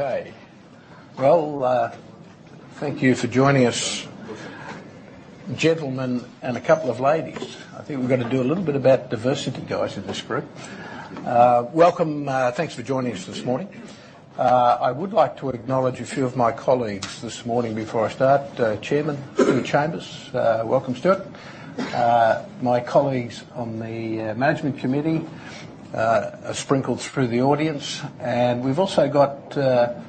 Okay. Well, thank you for joining us, gentlemen, and a couple of ladies. I think we're going to do a little bit about diversity, guys, in this group. Welcome. Thanks for joining us this morning. I would like to acknowledge a few of my colleagues this morning before I start. Chairman Stuart Chambers, welcome, Stuart. My colleagues on the management committee are sprinkled through the audience. We've also got Tom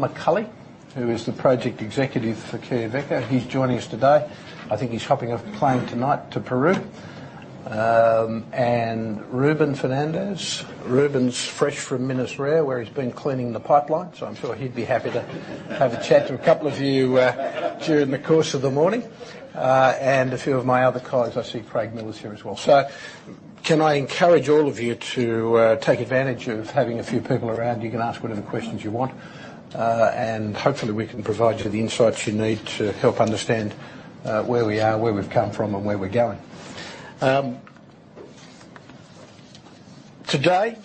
McCulley, who is the project executive for Quellaveco. He's joining us today. I think he's hopping a plane tonight to Peru. Ruben Fernandes. Ruben's fresh from Minas Rio, where he's been cleaning the pipeline. I'm sure he'd be happy to have a chat with a couple of you during the course of the morning. A few of my other colleagues. I see Craig Miller's here as well. Can I encourage all of you to take advantage of having a few people around? You can ask whatever questions you want. Hopefully, we can provide you the insights you need to help understand where we are, where we've come from, and where we're going. Today,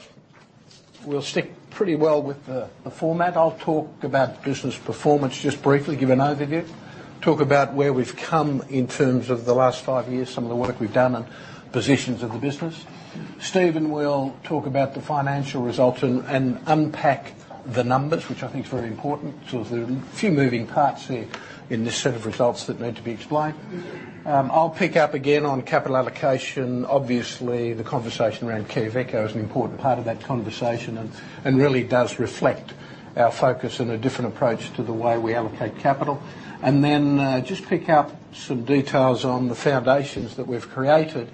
we'll stick pretty well with the format. I'll talk about business performance just briefly, give an overview. Talk about where we've come in terms of the last five years, some of the work we've done and positions of the business. Stephen will talk about the financial results and unpack the numbers, which I think is very important. There's a few moving parts there in this set of results that need to be explained. I'll pick up again on capital allocation. Obviously, the conversation around Quellaveco is an important part of that conversation and really does reflect our focus and a different approach to the way we allocate capital. Just pick up some details on the foundations that we've created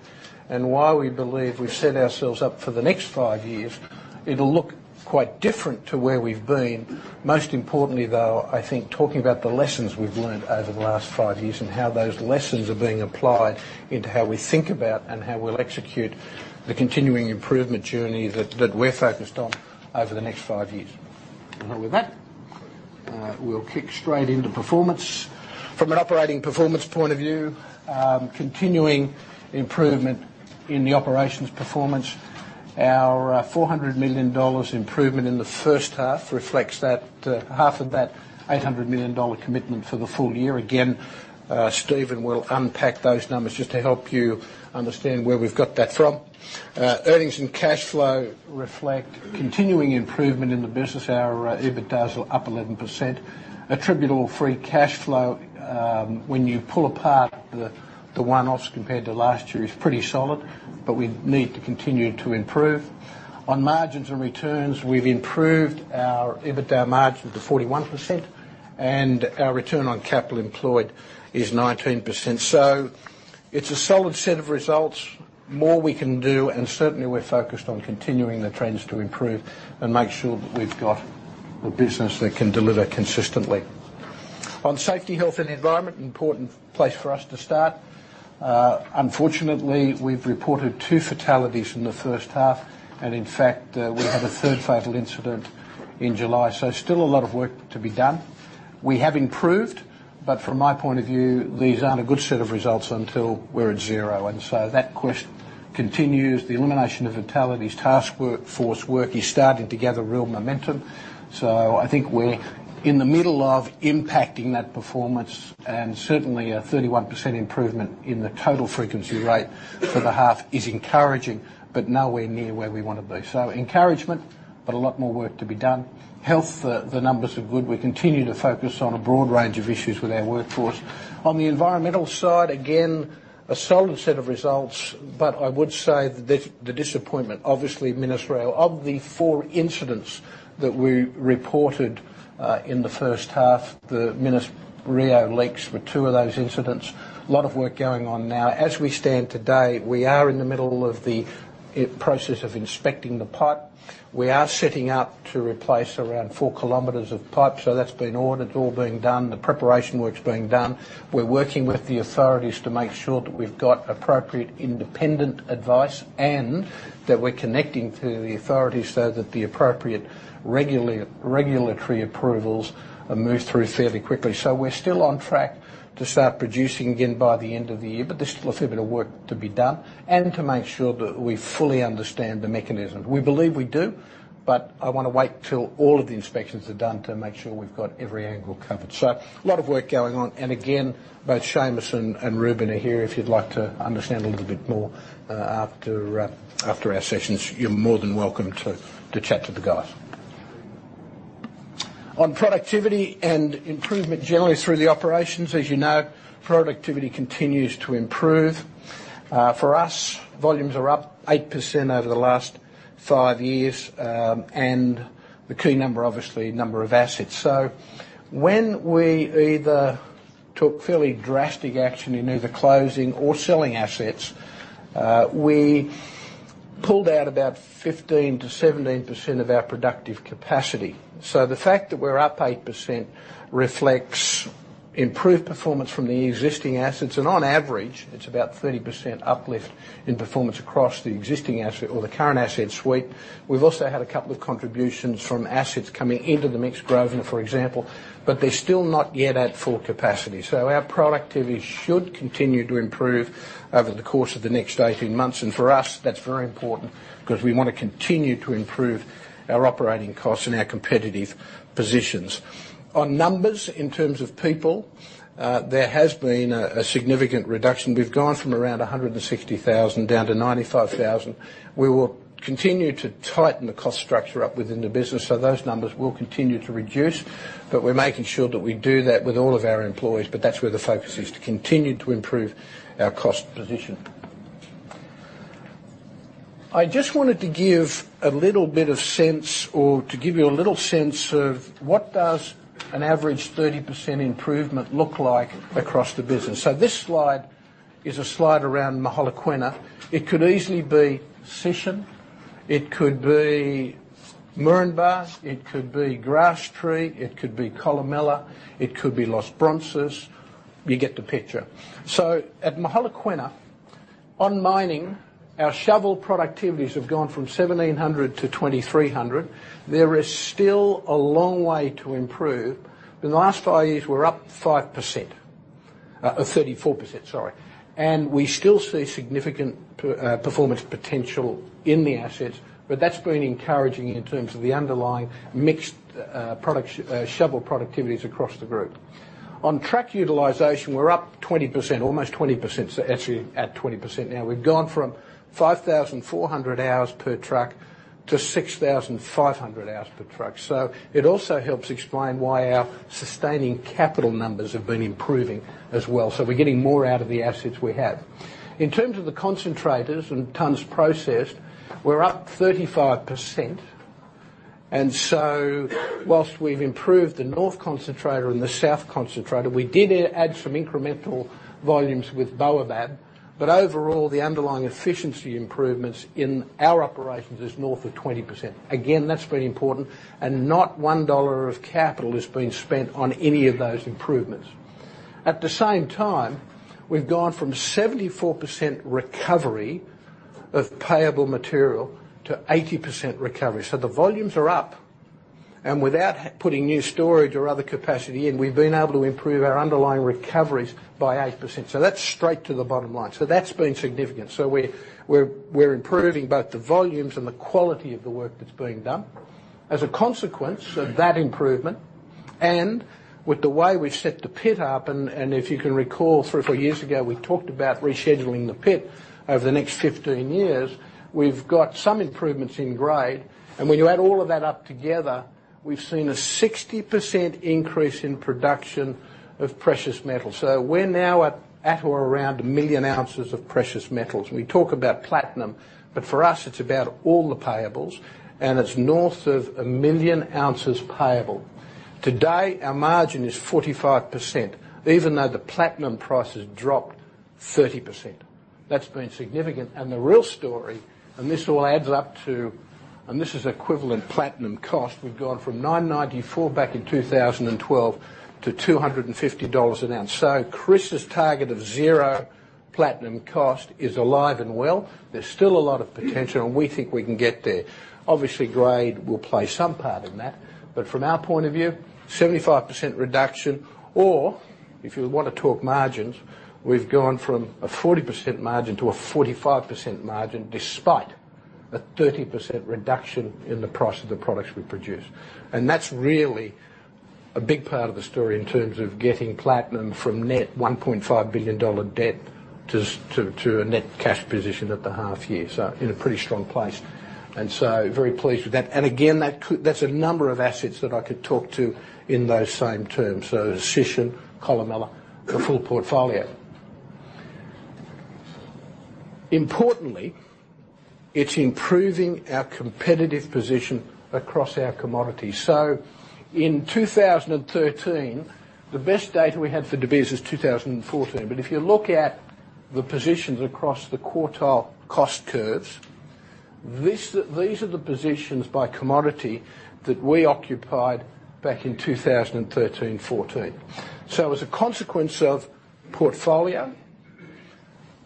and why we believe we've set ourselves up for the next five years. It'll look quite different to where we've been. Most importantly, though, I think talking about the lessons we've learned over the last five years and how those lessons are being applied into how we think about and how we'll execute the continuing improvement journey that we're focused on over the next five years. With that, we'll kick straight into performance. From an operating performance point of view, continuing improvement in the operations performance. Our $400 million improvement in the first half reflects half of that $800 million commitment for the full year. Again, Stephen will unpack those numbers just to help you understand where we've got that from. Earnings and cash flow reflect continuing improvement in the business. Our EBITDA is up 11%. Attributable free cash flow, when you pull apart the one-offs compared to last year, is pretty solid, but we need to continue to improve. On margins and returns, we've improved our EBITDA margin to 41%, and our return on capital employed is 19%. It's a solid set of results. More we can do, and certainly we're focused on continuing the trends to improve and make sure that we've got a business that can deliver consistently. On safety, health, and environment, an important place for us to start. Unfortunately, we've reported two fatalities in the first half, and in fact, we had a third fatal incident in July. Still a lot of work to be done. We have improved, but from my point of view, these aren't a good set of results until we're at zero. That quest continues. The elimination of fatalities task force work is starting to gather real momentum. I think we're in the middle of impacting that performance, and certainly a 31% improvement in the total frequency rate for the half is encouraging, but nowhere near where we want to be. Encouragement, but a lot more work to be done. Health, the numbers are good. We continue to focus on a broad range of issues with our workforce. On the environmental side, again, a solid set of results, but I would say the disappointment, obviously, Minas Rio. Of the four incidents that we reported in the first half, the Minas Rio leaks were two of those incidents. A lot of work going on now. As we stand today, we are in the middle of the process of inspecting the pipe. We are setting up to replace around four kilometers of pipe. That's been ordered, all being done. The preparation work's being done. We're working with the authorities to make sure that we've got appropriate independent advice and that we're connecting to the authorities so that the appropriate regulatory approvals are moved through fairly quickly. We're still on track to start producing again by the end of the year, but there's still a fair bit of work to be done and to make sure that we fully understand the mechanism. We believe we do, but I want to wait till all of the inspections are done to make sure we've got every angle covered. A lot of work going on. Again, both Seamus and Ruben are here if you'd like to understand a little bit more after our sessions. You're more than welcome to chat to the guys. On productivity and improvement generally through the operations, as you know, productivity continues to improve. For us, volumes are up 8% over the last five years. The key number, obviously, number of assets. When we either took fairly drastic action in either closing or selling assets, we pulled out about 15%-17% of our productive capacity. The fact that we're up 8% reflects improved performance from the existing assets. On average, it's about 30% uplift in performance across the existing asset or the current asset suite. We've also had a couple of contributions from assets coming into the mix, Grosvenor, for example, but they're still not yet at full capacity. Our productivity should continue to improve over the course of the next 18 months. For us, that's very important because we want to continue to improve our operating costs and our competitive positions. On numbers, in terms of people, there has been a significant reduction. We've gone from around 160,000 down to 95,000. Those numbers will continue to reduce. We're making sure that we do that with all of our employees, but that's where the focus is, to continue to improve our cost position. I just wanted to give a little bit of sense, or to give you a little sense of what does an average 30% improvement look like across the business. This slide is a slide around Mogalakwena. It could easily be Sishen. It could be Moranbah. It could be Grasstree. It could be Kolomela. It could be Los Bronces. You get the picture. At Mogalakwena, on mining, our shovel productivities have gone from 1,700 to 2,300. There is still a long way to improve. In the last five years, we're up 5%, 34%, sorry. We still see significant performance potential in the assets, but that's been encouraging in terms of the underlying mixed shovel productivities across the group. On truck utilization, we're up 20%, almost 20%, actually at 20% now. We've gone from 5,400 hours per truck to 6,500 hours per truck. It also helps explain why our sustaining capital numbers have been improving as well. We're getting more out of the assets we have. In terms of the concentrators and tons processed, we're up 35%. Whilst we've improved the North Concentrator and the South Concentrator, we did add some incremental volumes with Baobab. Overall, the underlying efficiency improvements in our operations is north of 20%. Again, that's very important, not $1 of capital has been spent on any of those improvements. At the same time, we've gone from 74% recovery of payable material to 80% recovery. The volumes are up, and without putting new storage or other capacity in, we've been able to improve our underlying recoveries by 8%. That's straight to the bottom line. That's been significant. We're improving both the volumes and the quality of the work that's being done. As a consequence of that improvement and with the way we set the pit up, and if you can recall, three or four years ago, we talked about rescheduling the pit over the next 15 years. We've got some improvements in grade. When you add all of that up together, we've seen a 60% increase in production of precious metals. We're now at or around a million ounces of precious metals. We talk about platinum, but for us it's about all the payables, and it's north of a million ounces payable. Today, our margin is 45%, even though the platinum price has dropped 30%. That's been significant. The real story, and this all adds up to, and this is equivalent platinum cost, we've gone from $994 back in 2012 to $250 an ounce. Chris's target of zero platinum cost is alive and well. There's still a lot of potential, we think we can get there. Obviously, grade will play some part in that. From our point of view, 75% reduction. Or if you want to talk margins, we've gone from a 40% margin to a 45% margin despite a 30% reduction in the price of the products we produce. That's really a big part of the story in terms of getting platinum from net $1.5 billion dollar debt to a net cash position at the half year. In a pretty strong place. Very pleased with that. Again, there's a number of assets that I could talk to in those same terms. Sishen, Kolomela, the full portfolio. Importantly, it's improving our competitive position across our commodities. In 2013, the best data we had for De Beers is 2014. If you look at the positions across the quartile cost curves, these are the positions by commodity that we occupied back in 2013 and 2014. So as a consequence of portfolio,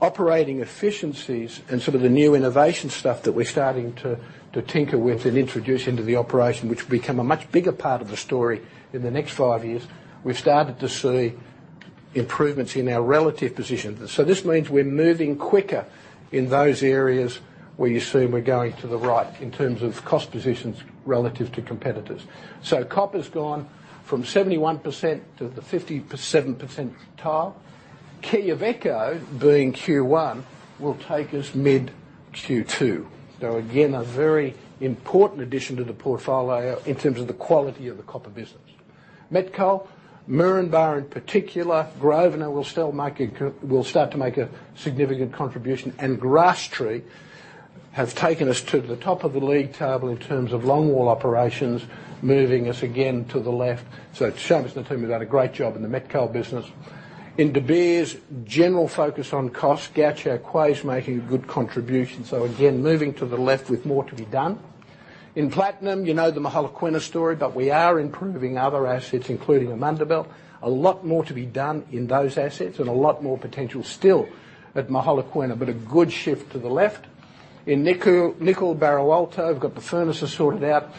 operating efficiencies, and some of the new innovation stuff that we're starting to tinker with and introduce into the operation, which will become a much bigger part of the story in the next five years, we've started to see improvements in our relative positions. So this means we're moving quicker in those areas where you see we're going to the right in terms of cost positions relative to competitors. So copper's gone from 71% to the 57th percentile. Quellaveco, being Q1, will take us mid-Q2. So again, a very important addition to the portfolio in terms of the quality of the copper business. Met Coal, Moranbah in particular, Grosvenor will start to make a significant contribution. Grasstree have taken us to the top of the league table in terms of long wall operations, moving us again to the left. So Seamus and the team have done a great job in the Met Coal business. In De Beers, general focus on cost. Gahcho Kué making a good contribution. So again, moving to the left with more to be done. In platinum, you know the Mogalakwena story, but we are improving other assets, including Amandelbult. A lot more to be done in those assets and a lot more potential still at Mogalakwena. But a good shift to the left. In nickel, Barro Alto, we've got the furnaces sorted out.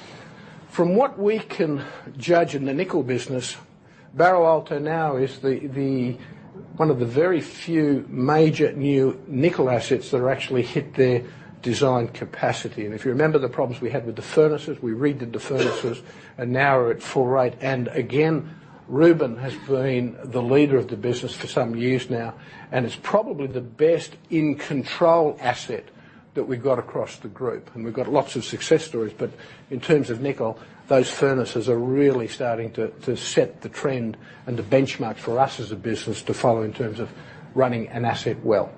From what we can judge in the nickel business, Barro Alto now is one of the very few major new nickel assets that are actually hit their designed capacity. If you remember the problems we had with the furnaces, we redid the furnaces, and now we're at full rate. And again, Ruben has been the leader of the business for some years now, and it's probably the best in control asset that we've got across the group. And we've got lots of success stories, but in terms of nickel, those furnaces are really starting to set the trend and the benchmark for us as a business to follow in terms of running an asset well.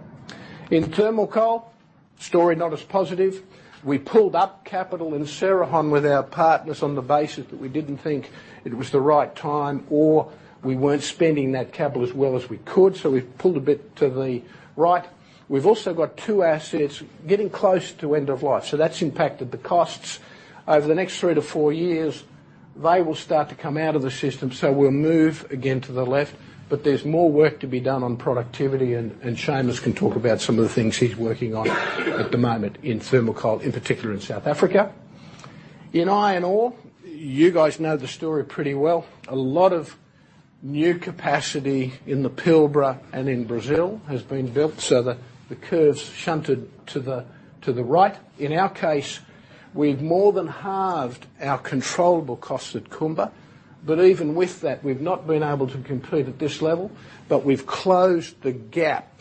In thermal coal, story not as positive. We pulled back capital in Cerrejón with our partners on the basis that we didn't think it was the right time or we weren't spending that capital as well as we could. So we've pulled a bit to the right. We've also got two assets getting close to end of life. So that's impacted the costs. Over the next three to four years, they will start to come out of the system, so we'll move again to the left. But there's more work to be done on productivity and Seamus can talk about some of the things he's working on at the moment in thermal coal, in particular in South Africa. In iron ore, you guys know the story pretty well. A lot of new capacity in the Pilbara and in Brazil has been built so that the curve's shunted to the right. In our case, we've more than halved our controllable costs at Kumba. But even with that, we've not been able to compete at this level. But we've closed the gap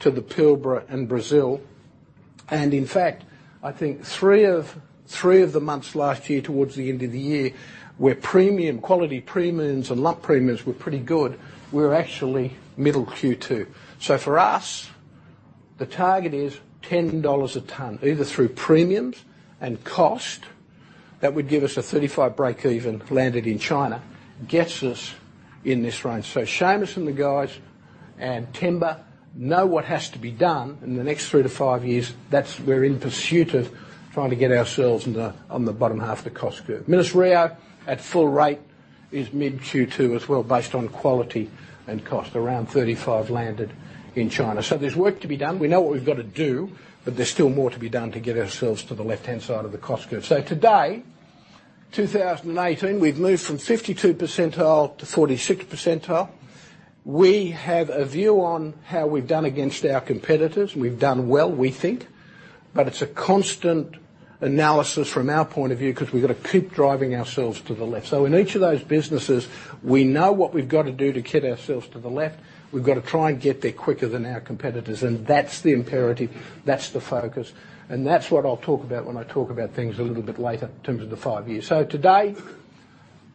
to the Pilbara and Brazil. In fact, I think three of the months last year towards the end of the year, where premium quality premiums and lump premiums were pretty good, we're actually middle Q2. For us, the target is $10 a ton, either through premiums and cost. That would give us a $35 break even landed in China, gets us in this range. Seamus and the guys and Themba know what has to be done in the next three to five years. That's we're in pursuit of trying to get ourselves on the bottom half of the cost curve. Minas Rio at full rate is mid Q2 as well, based on quality and cost, around $35 landed in China. There's work to be done. We know what we've got to do, but there's still more to be done to get ourselves to the left-hand side of the cost curve. Today, 2018, we've moved from 52 percentile to 46 percentile. We have a view on how we've done against our competitors. We've done well, we think. But it's a constant analysis from our point of view because we've got to keep driving ourselves to the left. In each of those businesses, we know what we've got to do to get ourselves to the left. We've got to try and get there quicker than our competitors. That's the imperative. That's the focus. That's what I'll talk about when I talk about things a little bit later in terms of the five years. Today,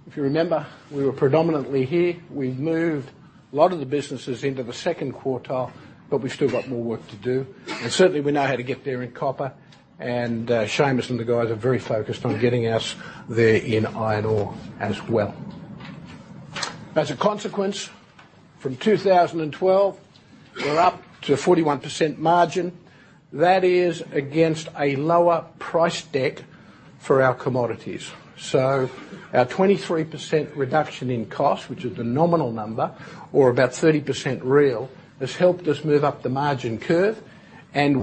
if you remember, we were predominantly here. We've moved a lot of the businesses into the second quartile, but we've still got more work to do. Certainly, we know how to get there in copper. Seamus and the guys are very focused on getting us there in iron ore as well. As a consequence, from 2012, we're up to a 41% margin. That is against a lower price deck for our commodities. Our 23% reduction in cost, which is the nominal number or about 30% real, has helped us move up the margin curve. That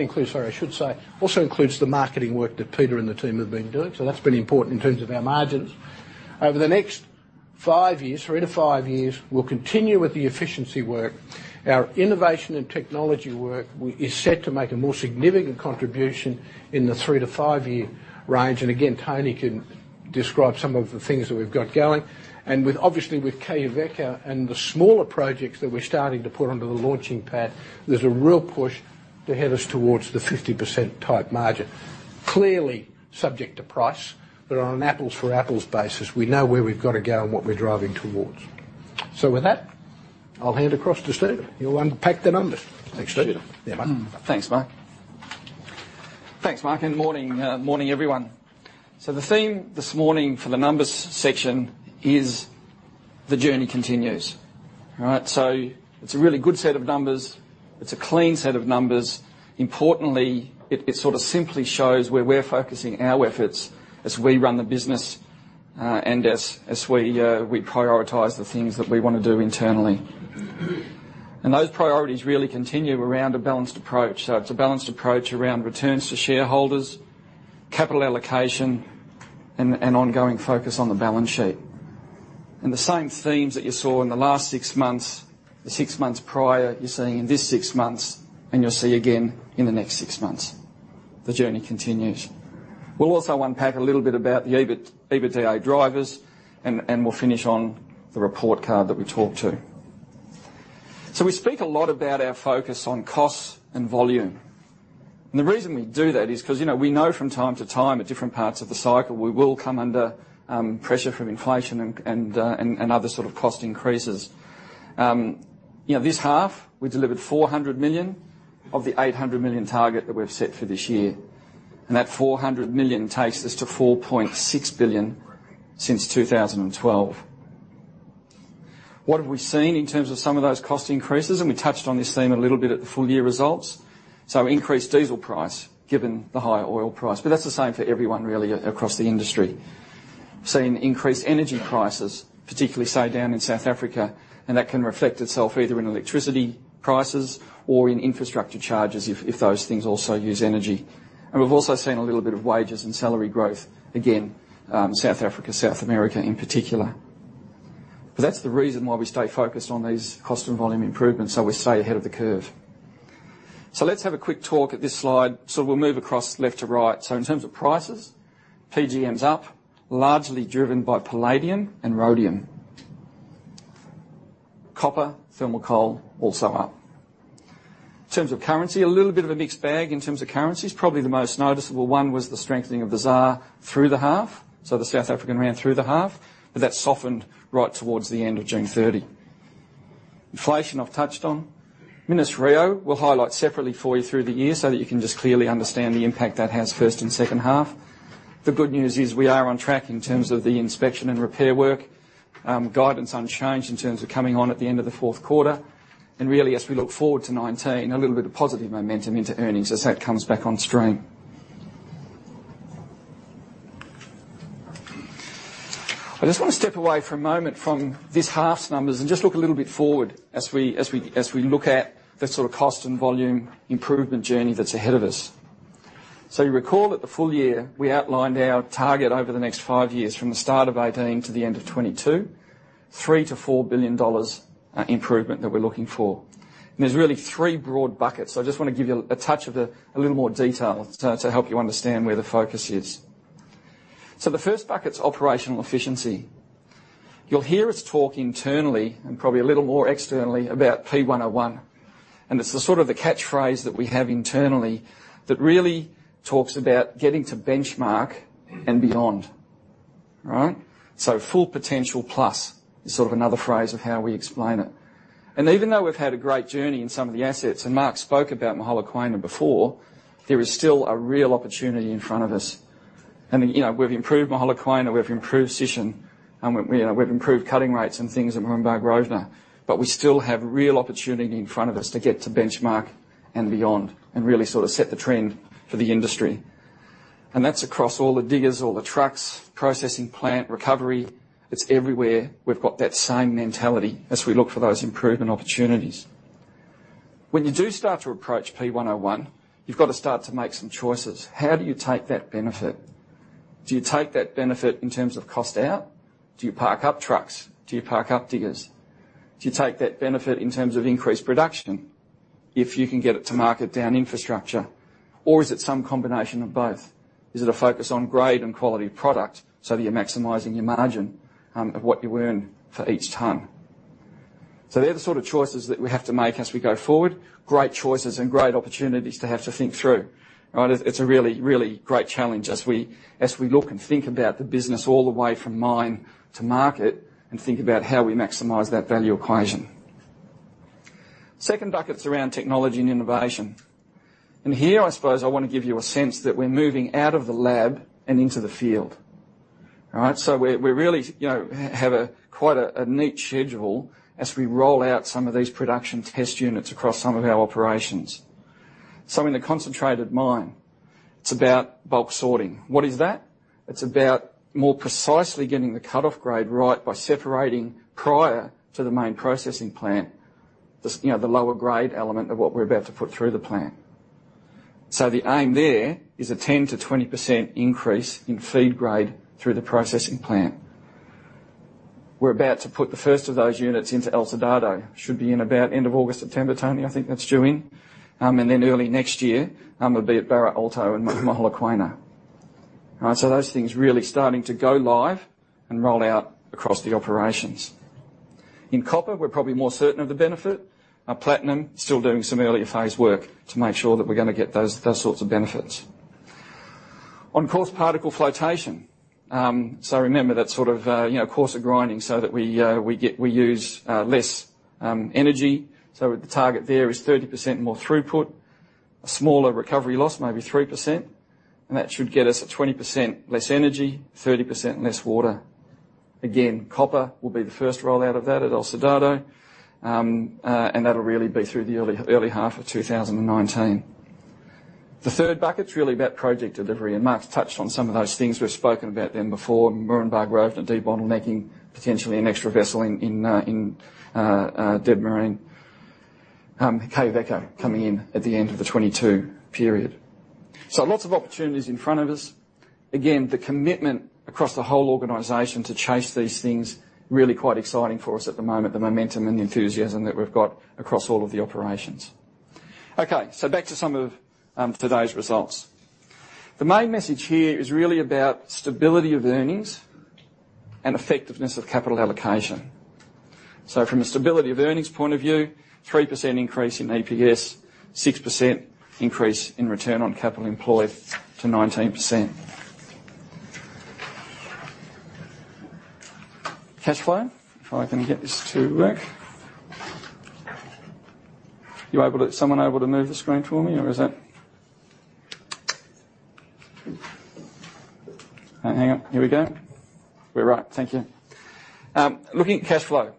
includes, sorry, I should say, also includes the marketing work that Peter and the team have been doing. That's been important in terms of our margins. Over the next five years, three to five years, we'll continue with the efficiency work. Our innovation and technology work is set to make a more significant contribution in the three to five-year range. Again, Tony can describe some of the things that we've got going. Obviously with Quellaveco and the smaller projects that we're starting to put under the launching pad, there's a real push to head us towards the 50%-type margin. Clearly subject to price, but on an apples for apples basis, we know where we've got to go and what we're driving towards. With that, I'll hand across to Stephen. He'll unpack the numbers. Thanks, Stephen. Sure. Yeah, man. Thanks, Mark. Thanks, Mark. Morning, everyone. The theme this morning for the numbers section is the journey continues. All right? It's a really good set of numbers. It's a clean set of numbers. Importantly, it sort of simply shows where we're focusing our efforts as we run the business and as we prioritize the things that we want to do internally. Those priorities really continue around a balanced approach. It's a balanced approach around returns to shareholders, capital allocation, and ongoing focus on the balance sheet. The same themes that you saw in the last six months, the six months prior, you're seeing in this six months, and you'll see again in the next six months. The journey continues. We'll also unpack a little bit about the EBITDA drivers, and we'll finish on the report card that we talked to. We speak a lot about our focus on costs and volume. The reason we do that is because we know from time to time at different parts of the cycle, we will come under pressure from inflation and other sort of cost increases. This half, we delivered $400 million of the $800 million target that we've set for this year. That $400 million takes us to $4.6 billion since 2012. What have we seen in terms of some of those cost increases? We touched on this theme a little bit at the full year results. Increased diesel price, given the higher oil price. That's the same for everyone really across the industry. We've seen increased energy prices, particularly so down in South Africa, and that can reflect itself either in electricity prices or in infrastructure charges if those things also use energy. We've also seen a little bit of wages and salary growth, again, South Africa, South America in particular. That's the reason why we stay focused on these cost and volume improvements, so we stay ahead of the curve. Let's have a quick talk at this slide. We'll move across left to right. In terms of prices, PGMs up, largely driven by palladium and rhodium. Copper, thermal coal also up. In terms of currency, a little bit of a mixed bag in terms of currencies. Probably the most noticeable one was the strengthening of the ZAR through the half, the South African rand through the half. That softened right towards the end of June 30. Inflation, I've touched on. Minas Rio, we'll highlight separately for you through the year so that you can just clearly understand the impact that has first and second half. The good news is we are on track in terms of the inspection and repair work. Guidance unchanged in terms of coming on at the end of the fourth quarter. Really, as we look forward to 2019, a little bit of positive momentum into earnings as that comes back on stream. I just want to step away for a moment from this half's numbers and just look a little bit forward as we look at the sort of cost and volume improvement journey that's ahead of us. You recall at the full year, we outlined our target over the next five years from the start of 2018 to the end of 2022, $3 billion-$4 billion improvement that we're looking for. There's really three broad buckets. I just want to give you a touch of a little more detail to help you understand where the focus is. The first bucket's operational efficiency. You'll hear us talk internally and probably a little more externally about P101, it's the sort of the catchphrase that we have internally that really talks about getting to benchmark and beyond. All right? Full potential plus is sort of another phrase of how we explain it. Even though we've had a great journey in some of the assets, Mark spoke about Mogalakwena before, there is still a real opportunity in front of us. We've improved Mogalakwena, we've improved Sishen, and we've improved cutting rates and things at Moranbah/Grosvenor. We still have real opportunity in front of us to get to benchmark and beyond and really sort of set the trend for the industry. That's across all the diggers, all the trucks, processing plant, recovery. It's everywhere. We've got that same mentality as we look for those improvement opportunities. When you do start to approach P101, you've got to start to make some choices. How do you take that benefit? Do you take that benefit in terms of cost out? Do you park up trucks? Do you park up diggers? Do you take that benefit in terms of increased production if you can get it to market down infrastructure? Or is it some combination of both? Is it a focus on grade and quality of product so that you're maximizing your margin of what you earn for each ton? They're the sort of choices that we have to make as we go forward. Great choices and great opportunities to have to think through. Right? It's a really, really great challenge as we look and think about the business all the way from mine to market and think about how we maximize that value equation. Second bucket's around technology and innovation. Here, I suppose I want to give you a sense that we're moving out of the lab and into the field. All right? We're really have quite a neat schedule as we roll out some of these production test units across some of our operations. In the concentrated mine, it's about bulk sorting. What is that? It's about more precisely getting the cut-off grade right by separating prior to the main processing plant, the lower grade element of what we're about to put through the plant. The aim there is a 10%-20% increase in feed grade through the processing plant. We're about to put the first of those units into El Soldado. Should be in about end of August, September timing. I think that's due in. Early next year, it'll be at Barro Alto and Mogalakwena. Those things really starting to go live and roll out across the operations. In copper, we're probably more certain of the benefit. Platinum, still doing some earlier phase work to make sure that we're going to get those sorts of benefits. On coarse particle flotation, remember that sort of coarser grinding so that we use less energy. The target there is 30% more throughput, a smaller recovery loss, maybe 3%, and that should get us at 20% less energy, 30% less water. Again, copper will be the first rollout of that at El Soldado. That'll really be through the early half of 2019. The third bucket's really about project delivery, Mark's touched on some of those things. We've spoken about them before. Moranbah/Grosvenor debottlenecking, potentially an extra vessel in Debmarine. Quellaveco coming in at the end of the 2022 period. Lots of opportunities in front of us. Again, the commitment across the whole organization to chase these things, really quite exciting for us at the moment, the momentum and the enthusiasm that we've got across all of the operations. Back to some of today's results. The main message here is really about stability of earnings and effectiveness of capital allocation. From a stability of earnings point of view, 3% increase in EPS, 6% increase in return on capital employed to 19%. Cash flow. Someone able to move the screen for me, or is that- Hang on. Here we go. We're right. Thank you. Looking at cash flow.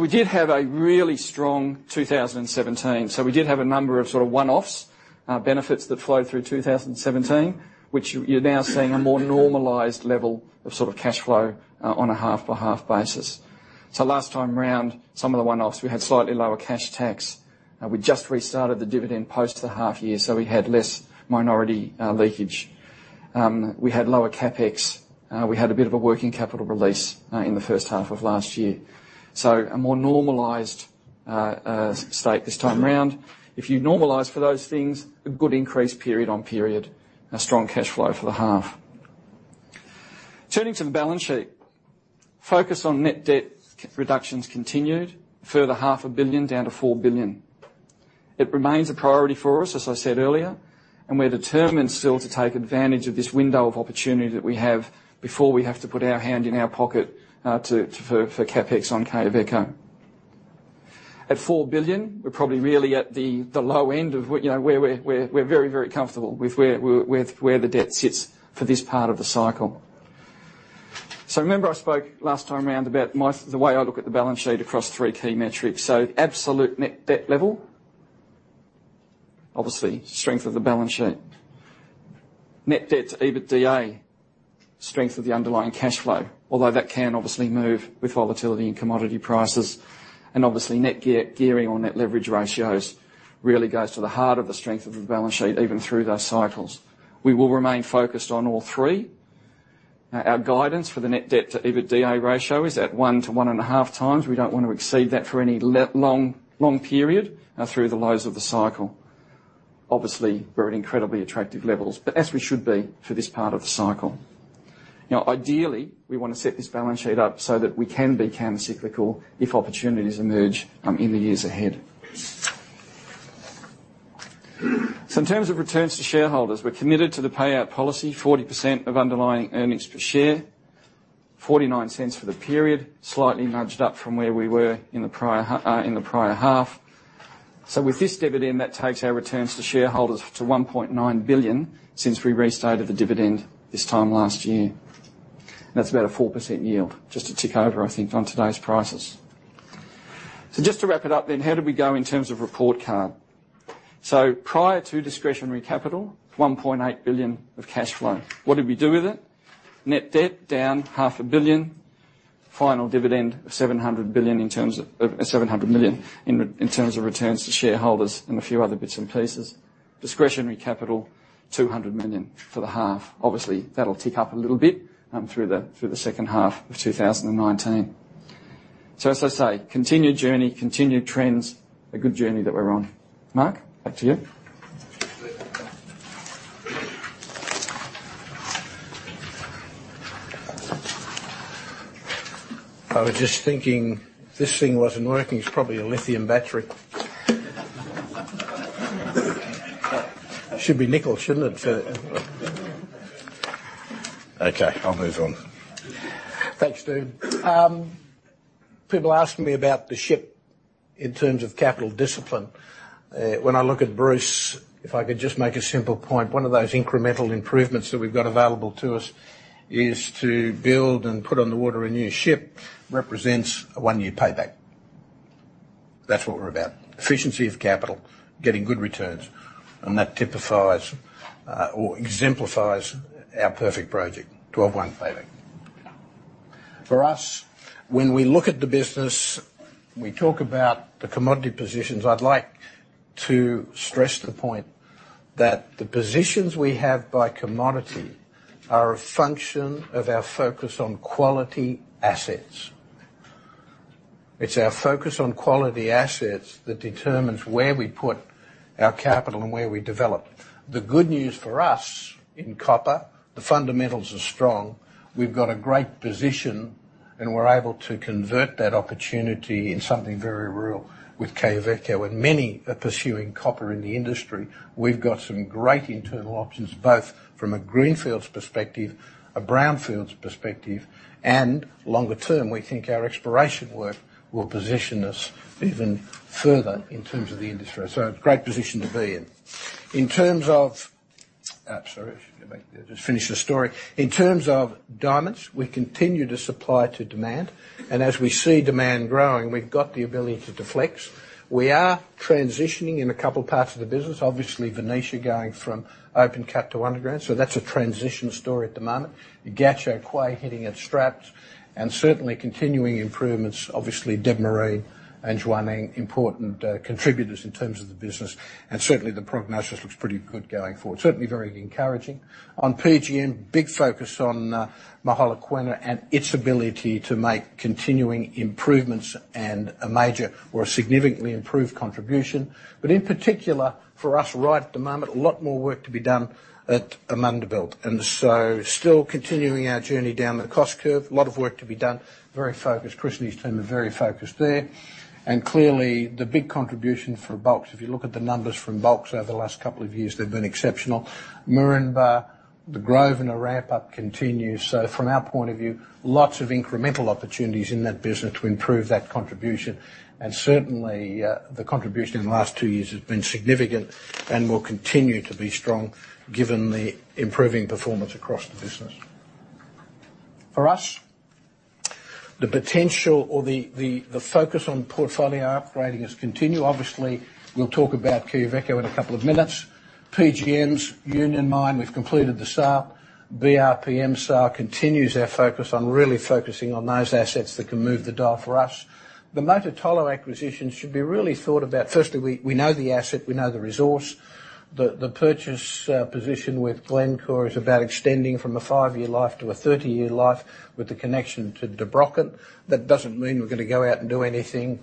We did have a really strong 2017. We did have a number of sort of one-offs, benefits that flow through 2017, which you're now seeing a more normalized level of sort of cash flow on a half-by-half basis. Last time around, some of the one-offs, we had slightly lower cash tax. We just restarted the dividend post the half year, we had less minority leakage. We had lower CapEx. We had a bit of a working capital release in the first half of last year. A more normalized state this time around. If you normalize for those things, a good increase period on period and a strong cash flow for the half. Turning to the balance sheet. Focus on net debt reductions continued, a further $0.5 billion down to $4 billion. It remains a priority for us, as I said earlier, we're determined still to take advantage of this window of opportunity that we have before we have to put our hand in our pocket for CapEx on Quellaveco. At $4 billion, we're probably really at the low end of where we're very, very comfortable with where the debt sits for this part of the cycle. Remember I spoke last time around about the way I look at the balance sheet across three key metrics. Absolute net debt level, obviously strength of the balance sheet. Net debt to EBITDA, strength of the underlying cash flow. Although that can obviously move with volatility in commodity prices. Obviously net gearing or net leverage ratios really goes to the heart of the strength of the balance sheet, even through those cycles. We will remain focused on all three. Our guidance for the net debt to EBITDA ratio is at one to one and a half times. We don't want to exceed that for any long period through the lows of the cycle. Obviously, we're at incredibly attractive levels, but as we should be for this part of the cycle. Ideally, we want to set this balance sheet up so that we can be counter-cyclical if opportunities emerge in the years ahead. In terms of returns to shareholders, we're committed to the payout policy, 40% of underlying earnings per share. $0.49 for the period, slightly nudged up from where we were in the prior half. With this dividend, that takes our returns to shareholders to $1.9 billion since we restarted the dividend this time last year. That's about a 4% yield, just a tick over, I think, on today's prices. Just to wrap it up then, how did we go in terms of report card? Prior to discretionary capital, $1.8 billion of cash flow. What did we do with it? Net debt down half a billion, final dividend of $700 million in terms of returns to shareholders and a few other bits and pieces. Discretionary capital, $200 million for the half. Obviously, that'll tick up a little bit through the second half of 2019. As I say, continued journey, continued trends, a good journey that we're on. Mark, back to you. I was just thinking, this thing wasn't working. It's probably a lithium battery. It should be nickel, shouldn't it? Okay, I'll move on. Thanks, dude. People ask me about the ship in terms of capital discipline. When I look at Bruce, if I could just make a simple point, one of those incremental improvements that we've got available to us is to build and put on the water a new ship represents a one-year payback. That's what we're about. Efficiency of capital, getting good returns, and that typifies or exemplifies our perfect project, 12-month payback. For us, when we look at the business, we talk about the commodity positions. I'd like to stress the point that the positions we have by commodity are a function of our focus on quality assets. It's our focus on quality assets that determines where we put our capital and where we develop. The good news for us in copper, the fundamentals are strong. We've got a great position, and we're able to convert that opportunity in something very real with Quellaveco and many are pursuing copper in the industry. We've got some great internal options, both from a greenfields perspective, a brownfields perspective, and longer term, we think our exploration work will position us even further in terms of the industry. A great position to be in. In terms of Sorry, just finish the story. In terms of diamonds, we continue to supply to demand. As we see demand growing, we've got the ability to deflect. We are transitioning in a couple of parts of the business. Obviously, Venetia going from open cut to underground. That's a transition story at the moment. Gahcho Kué hitting its straps and certainly continuing improvements. Obviously, Debmarine and Jwaneng, important contributors in terms of the business. Certainly, the prognosis looks pretty good going forward. Certainly very encouraging. On PGM, big focus on Mogalakwena and its ability to make continuing improvements and a major or a significantly improved contribution. In particular for us right at the moment, a lot more work to be done at Amandelbult. Still continuing our journey down the cost curve. A lot of work to be done. Very focused. Chris and his team are very focused there. Clearly, the big contribution for Bulks, if you look at the numbers from Bulks over the last couple of years, they've been exceptional. Moranbah, Grosvenor and the ramp-up continue. From our point of view, lots of incremental opportunities in that business to improve that contribution. Certainly, the contribution in the last two years has been significant and will continue to be strong given the improving performance across the business. For us, the potential or the focus on portfolio upgrading is continual. Obviously, we'll talk about Quellaveco in a couple of minutes. PGMs, Union Mine, we've completed the S189. BRPM S189 continues our focus on really focusing on those assets that can move the dial for us. The Mototolo acquisition should be really thought about. Firstly, we know the asset, we know the resource. The purchase position with Glencore is about extending from a five-year life to a 30-year life with the connection to Der Brochen. That doesn't mean we're going to go out and do anything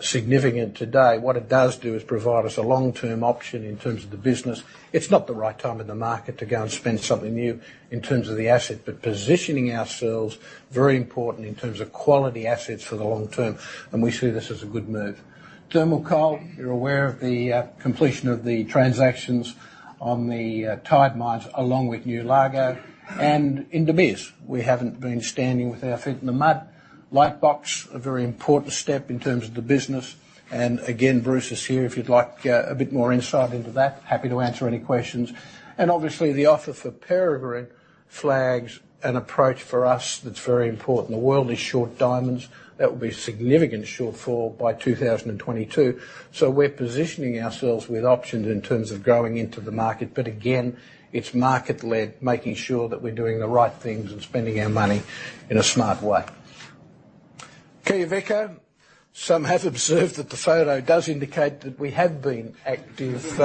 significant today. What it does do is provide us a long-term option in terms of the business. It's not the right time in the market to go and spend something new in terms of the asset, positioning ourselves, very important in terms of quality assets for the long term. We see this as a good move. Thermal Coal, you're aware of the completion of the transactions on the Eskom-tied mines along with New Largo. In De Beers, we haven't been standing with our feet in the mud. Lightbox, a very important step in terms of the business. Again, Bruce is here if you'd like a bit more insight into that. Happy to answer any questions. Obviously, the offer for Peregrine flags an approach for us that's very important. The world is short diamonds. There will be a significant shortfall by 2022. We're positioning ourselves with options in terms of going into the market. Again, it's market-led, making sure that we're doing the right things and spending our money in a smart way. Quellaveco. Some have observed that the photo does indicate that we have been active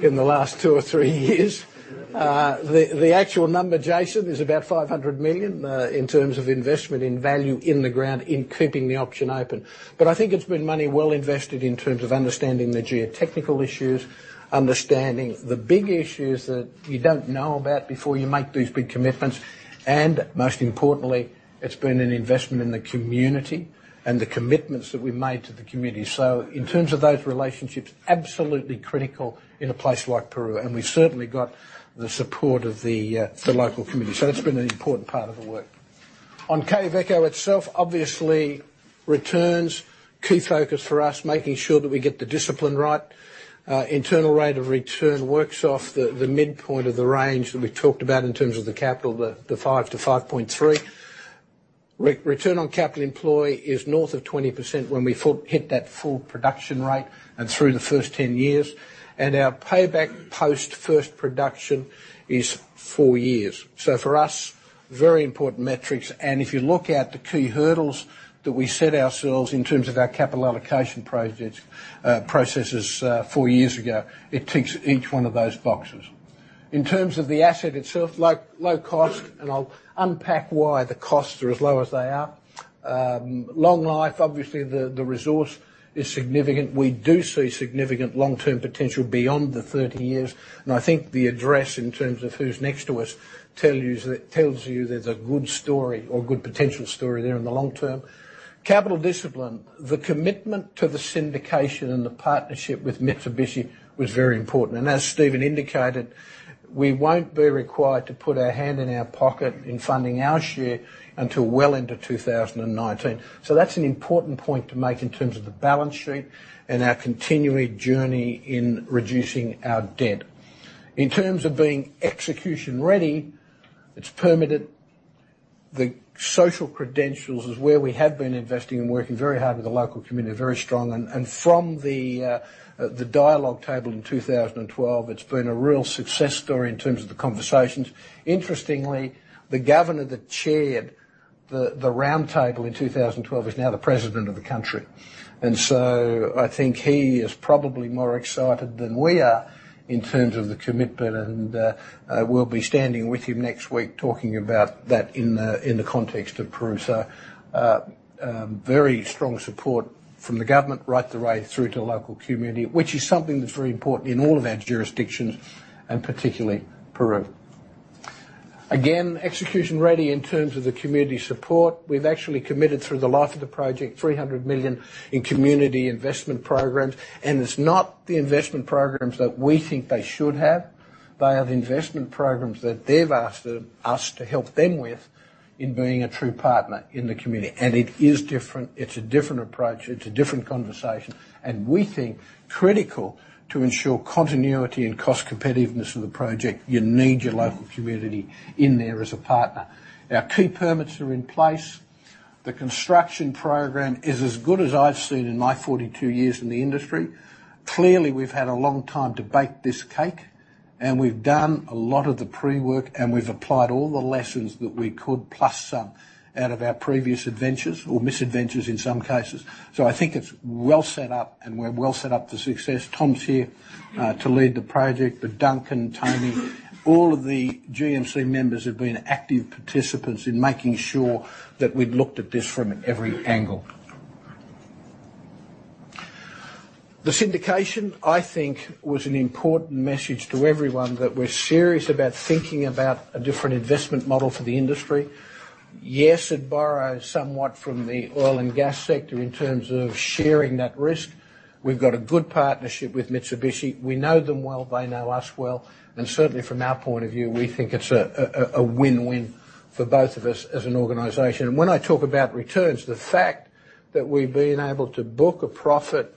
in the last two or three years. The actual number, Jason, is about $500 million in terms of investment in value in the ground in keeping the option open. I think it's been money well invested in terms of understanding the geotechnical issues, understanding the big issues that you don't know about before you make these big commitments. Most importantly, it's been an investment in the community and the commitments that we've made to the community. In terms of those relationships, absolutely critical in a place like Peru, and we certainly got the support of the local community. That's been an important part of the work. On Quellaveco itself, obviously, returns, key focus for us, making sure that we get the discipline right. Internal rate of return works off the midpoint of the range that we talked about in terms of the capital, the $5 billion-$5.3 billion. Return on capital employed is north of 20% when we hit that full production rate and through the first 10 years. Our payback post first production is four years. For us, very important metrics. If you look at the key hurdles that we set ourselves in terms of our capital allocation processes four years ago, it ticks each one of those boxes. In terms of the asset itself, low cost, and I'll unpack why the costs are as low as they are. Long life, obviously, the resource is significant. We do see significant long-term potential beyond the 30 years. I think the address in terms of who's next to us tells you there's a good story or good potential story there in the long term. Capital discipline. The commitment to the syndication and the partnership with Mitsubishi was very important. As Stephen indicated, we won't be required to put our hand in our pocket in funding our share until well into 2019. That's an important point to make in terms of the balance sheet and our continuing journey in reducing our debt. In terms of being execution ready, it's permitted. The social credentials is where we have been investing and working very hard with the local community, very strong. From the dialogue table in 2012, it's been a real success story in terms of the conversations. Interestingly, the governor that chaired the roundtable in 2012 is now the president of the country. I think he is probably more excited than we are in terms of the commitment, and I will be standing with him next week talking about that in the context of Peru. Very strong support from the government right the way through to the local community, which is something that's very important in all of our jurisdictions, and particularly Peru. Again, execution ready in terms of the community support. We've actually committed through the life of the project $300 million in community investment programs. It's not the investment programs that we think they should have. They are the investment programs that they've asked us to help them with in being a true partner in the community. It is different. It's a different approach. It's a different conversation. We think critical to ensure continuity and cost competitiveness of the project. You need your local community in there as a partner. Our key permits are in place. The construction program is as good as I've seen in my 42 years in the industry. Clearly, we've had a long time to bake this cake, and we've done a lot of the pre-work, and we've applied all the lessons that we could, plus some, out of our previous adventures or misadventures in some cases. I think it's well set up, and we're well set up for success. Tom's here to lead the project, Duncan, Tony, all of the GMC members have been active participants in making sure that we've looked at this from every angle. The syndication, I think, was an important message to everyone that we're serious about thinking about a different investment model for the industry. Yes, it borrows somewhat from the oil and gas sector in terms of sharing that risk. We've got a good partnership with Mitsubishi. We know them well. They know us well. Certainly, from our point of view, we think it's a win-win for both of us as an organization. When I talk about returns, the fact that we've been able to book a profit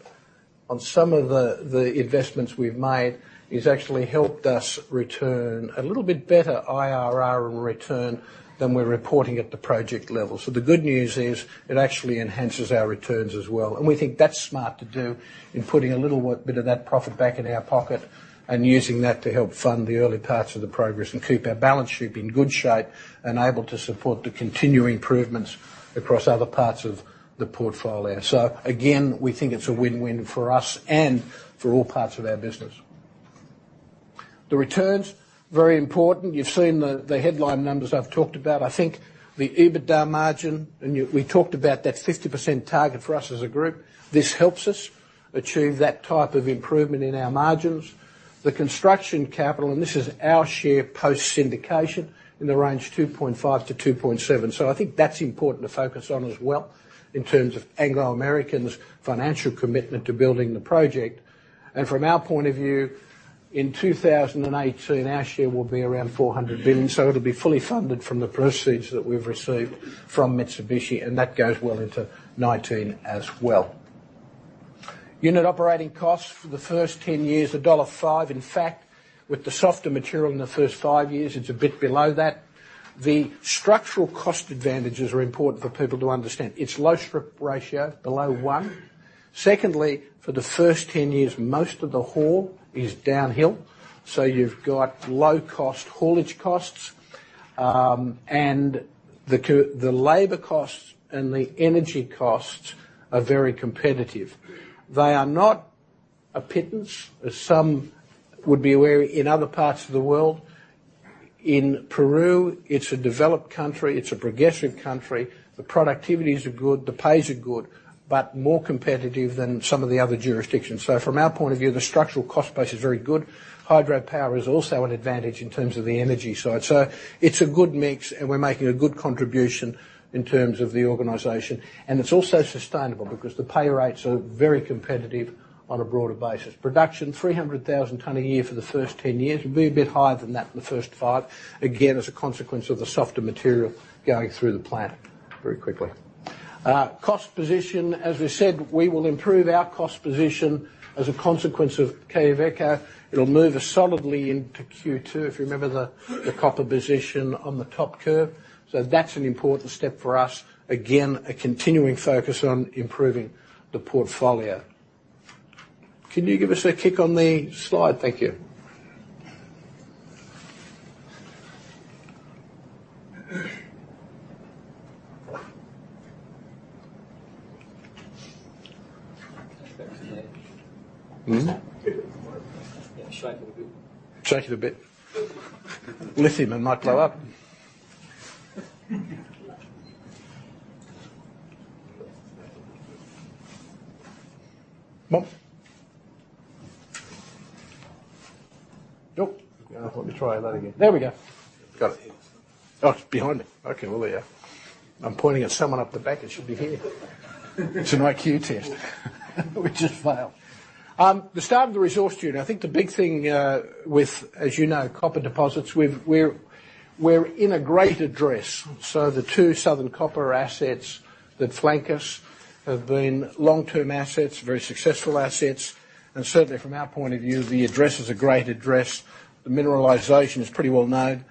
on some of the investments we've made is actually helped us return a little bit better IRR on return than we're reporting at the project level. The good news is it actually enhances our returns as well. We think that's smart to do in putting a little bit of that profit back in our pocket and using that to help fund the early parts of the progress and keep our balance sheet in good shape and able to support the continuing improvements across other parts of the portfolio. Again, we think it's a win-win for us and for all parts of our business. The returns, very important. You've seen the headline numbers I've talked about. I think the EBITDA margin, we talked about that 50% target for us as a group. This helps us achieve that type of improvement in our margins. The construction capital, this is our share post syndication in the range $2.5-$2.7. I think that's important to focus on as well in terms of Anglo American's financial commitment to building the project. From our point of view, in 2018, our share will be around $400 million. It'll be fully funded from the proceeds that we've received from Mitsubishi, and that goes well into 2019 as well. Unit operating costs for the first 10 years, $1.05. In fact, with the softer material in the first five years, it's a bit below that. The structural cost advantages are important for people to understand. It's low strip ratio, below one. Secondly, for the first 10 years, most of the haul is downhill. You've got low cost haulage costs. The labor costs and the energy costs are very competitive. They are not a pittance, as some would be aware in other parts of the world. In Peru, it's a developed country. It's a progressive country. The productivities are good. The pays are good. More competitive than some of the other jurisdictions. From our point of view, the structural cost base is very good. Hydropower is also an advantage in terms of the energy side. It's a good mix, and we're making a good contribution in terms of the organization. It's also sustainable because the pay rates are very competitive on a broader basis. Production, 300,000 tonne a year for the first 10 years. It'll be a bit higher than that in the first five. Again, as a consequence of the softer material going through the plant very quickly. Cost position, as we said, we will improve our cost position as a consequence of Quellaveco. It'll move us solidly into Q2. If you remember the copper position on the top curve. That's an important step for us. Again, a continuing focus on improving the portfolio. Can you give us a kick on the slide? Thank you. Shake it a bit. Shake it a bit. Lithium, it might blow up. What? Nope. Let me try that again. There we go. Got it. Oh, it's behind me. Okay. Well, yeah. I'm pointing at someone up the back. It should be here. It's an IQ test which I failed. The start of the resource [footprint]. I think the big thing with, as you know, copper deposits, we're in a great address. The two Southern Copper assets that flank us have been long-term assets, very successful assets. Certainly from our point of view, the address is a great address. The mineralization is pretty well known.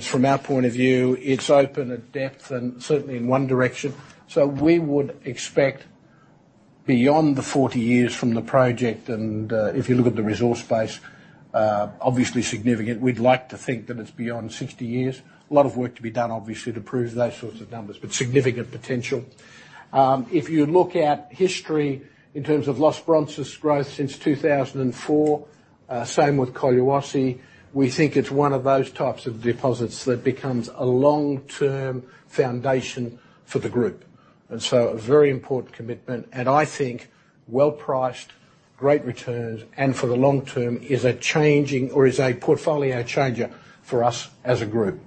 From our point of view, it's open at depth and certainly in one direction. We would expect beyond the 40 years from the project. If you look at the resource base, obviously significant. We'd like to think that it's beyond 60 years. A lot of work to be done, obviously, to prove those sorts of numbers, but significant potential. If you look at history in terms of Los Bronces growth since 2004, same with Colquiri. We think it's one of those types of deposits that becomes a long-term foundation for the group. A very important commitment, and I think well-priced, great returns, and for the long term is a changing or is a portfolio changer for us as a group.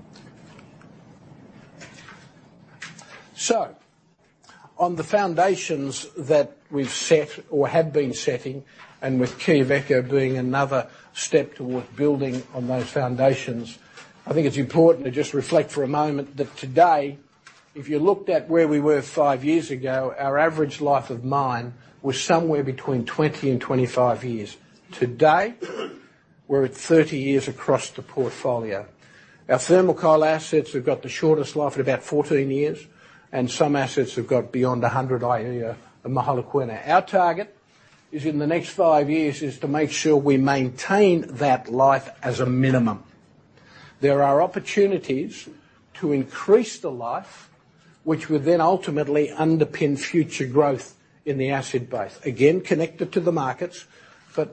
On the foundations that we've set or have been setting and with Quellaveco being another step toward building on those foundations, I think it's important to just reflect for a moment that today, if you looked at where we were five years ago, our average life of mine was somewhere between 20 and 25 years. Today, we're at 30 years across the portfolio. Our thermal coal assets have got the shortest life at about 14 years, and some assets have got beyond 100 year of Mogalakwena. Our target is in the next five years is to make sure we maintain that life as a minimum. There are opportunities to increase the life, which would then ultimately underpin future growth in the asset base. Again, connected to the markets.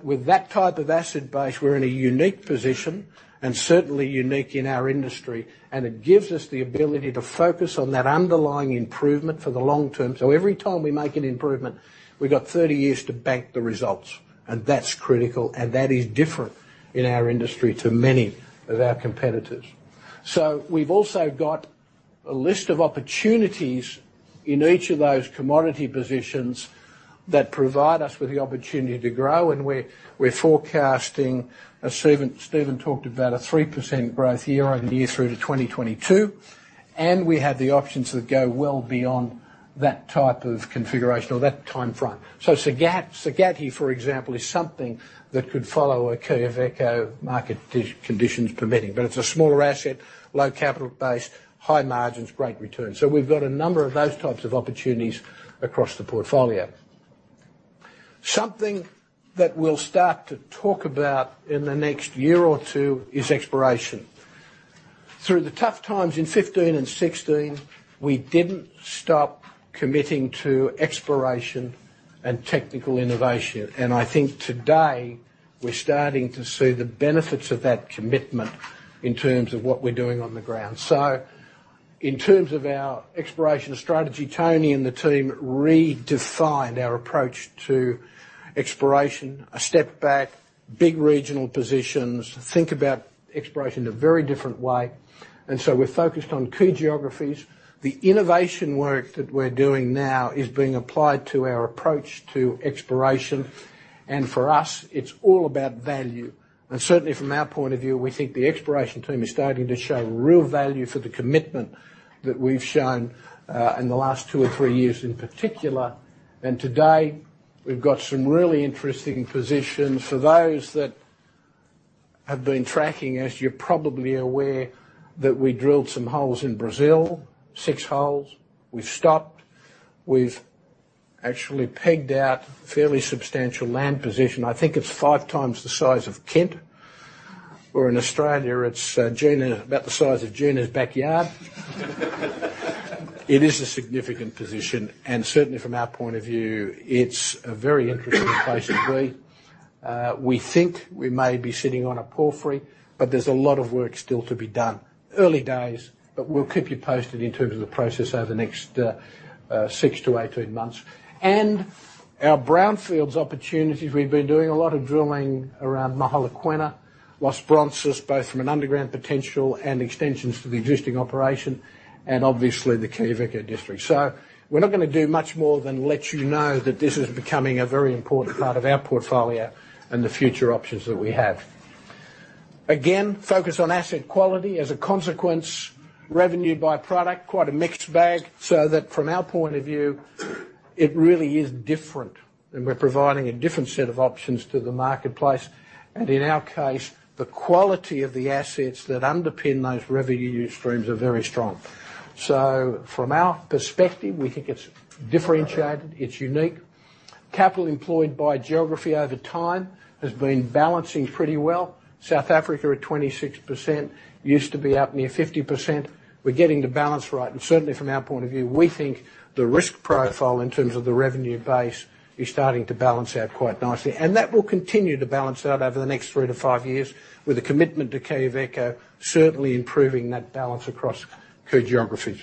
With that type of asset base, we're in a unique position and certainly unique in our industry, and it gives us the ability to focus on that underlying improvement for the long term. Every time we make an improvement, we got 30 years to bank the results, and that's critical, and that is different in our industry to many of our competitors. We've also got a list of opportunities in each of those commodity positions that provide us with the opportunity to grow, and we're forecasting, as Stephen talked about, a 3% growth year-over-year through to 2022. We have the options that go well beyond that type of configuration or that timeframe. Sakatti, for example, is something that could follow a Quellaveco, market conditions permitting. It's a smaller asset, low capital base, high margins, great returns. We've got a number of those types of opportunities across the portfolio. Something that we'll start to talk about in the next year or two is exploration. Through the tough times in 2015 and 2016, we didn't stop committing to exploration and technical innovation. I think today we're starting to see the benefits of that commitment in terms of what we're doing on the ground. In terms of our exploration strategy, Tony and the team redefined our approach to exploration. A step back, big regional positions, think about exploration in a very different way. We're focused on key geographies. The innovation work that we're doing now is being applied to our approach to exploration. For us, it's all about value. Certainly from our point of view, we think the exploration team is starting to show real value for the commitment that we've shown in the last two or three years in particular. Today, we've got some really interesting positions. For those that have been tracking us, you're probably aware that we drilled some holes in Brazil, six holes. We've stopped. We've actually pegged out fairly substantial land position. I think it's five times the size of Kent or in Australia it's about the size of Gina's backyard. It is a significant position and certainly from our point of view, it's a very interesting place to be. We think we may be sitting on a porphyry, there's a lot of work still to be done. Early days, but we'll keep you posted in terms of the process over the next six to 18 months. Our brownfields opportunities. We've been doing a lot of drilling around Collahuasi, Los Bronces, both from an underground potential and extensions to the existing operation and obviously the Quellaveco district. We're not going to do much more than let you know that this is becoming a very important part of our portfolio and the future options that we have. Again, focus on asset quality as a consequence. Revenue by product, quite a mixed bag. That from our point of view, it really is different and we're providing a different set of options to the marketplace. In our case, the quality of the assets that underpin those revenue streams are very strong. From our perspective, we think it's differentiated, it's unique. Capital employed by geography over time has been balancing pretty well. South Africa at 26%, used to be up near 50%. We're getting the balance right and certainly from our point of view, we think the risk profile in terms of the revenue base is starting to balance out quite nicely. That will continue to balance out over the next three to five years with a commitment to Quellaveco certainly improving that balance across key geographies.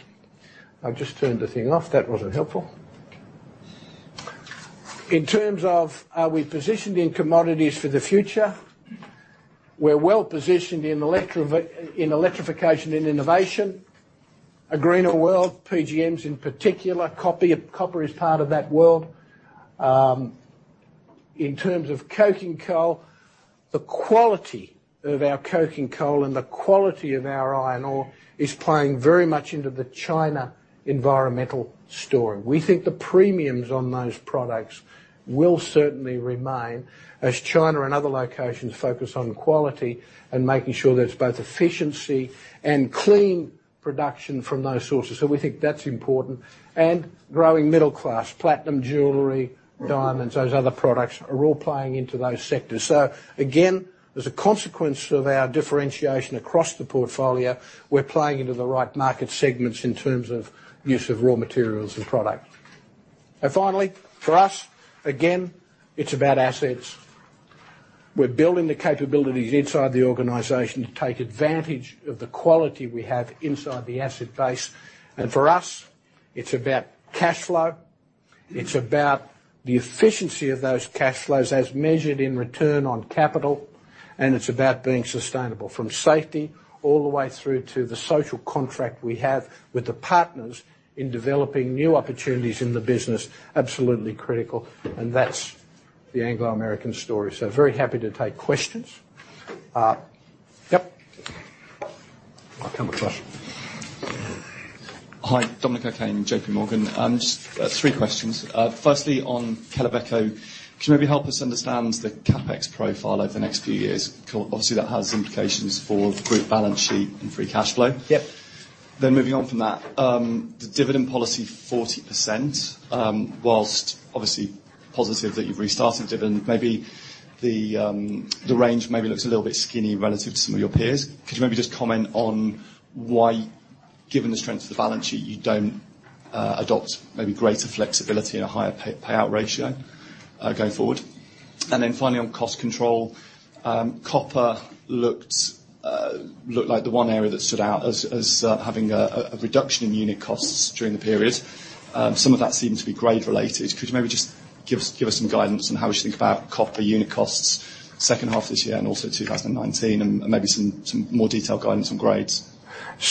I've just turned the thing off. That wasn't helpful. In terms of are we positioned in commodities for the future? We're well positioned in electrification and innovation. A greener world, PGMs in particular. Copper is part of that world. In terms of coking coal, the quality of our coking coal and the quality of our iron ore is playing very much into the China environmental story. We think the premiums on those products will certainly remain as China and other locations focus on quality and making sure there's both efficiency and clean production from those sources. We think that's important. Growing middle class. Platinum jewelry, diamonds, those other products are all playing into those sectors. Again, as a consequence of our differentiation across the portfolio, we're playing into the right market segments in terms of use of raw materials and product. Finally, for us, again, it's about assets. We're building the capabilities inside the organization to take advantage of the quality we have inside the asset base. For us, it's about cash flow, it's about the efficiency of those cash flows as measured in return on capital. It's about being sustainable. From safety all the way through to the social contract we have with the partners in developing new opportunities in the business. Absolutely critical. That's the Anglo American story. Very happy to take questions. Yep. I'll come across. Hi. Dominic O'Kane, JPMorgan. Just three questions. Firstly, on Quellaveco, can you maybe help us understand the CapEx profile over the next few years? Obviously, that has implications for group balance sheet and free cash flow. Yep. Moving on from that. The dividend policy 40%, whilst obviously positive that you've restarted dividend, maybe the range maybe looks a little bit skinny relative to some of your peers. Could you maybe just comment on why, given the strength of the balance sheet, you don't adopt maybe greater flexibility and a higher payout ratio going forward? Finally on cost control. Copper looked like the one area that stood out as having a reduction in unit costs during the period. Some of that seemed to be grade-related. Could you maybe just give us some guidance on how we should think about copper unit costs second half this year and also 2019, and maybe some more detailed guidance on grades?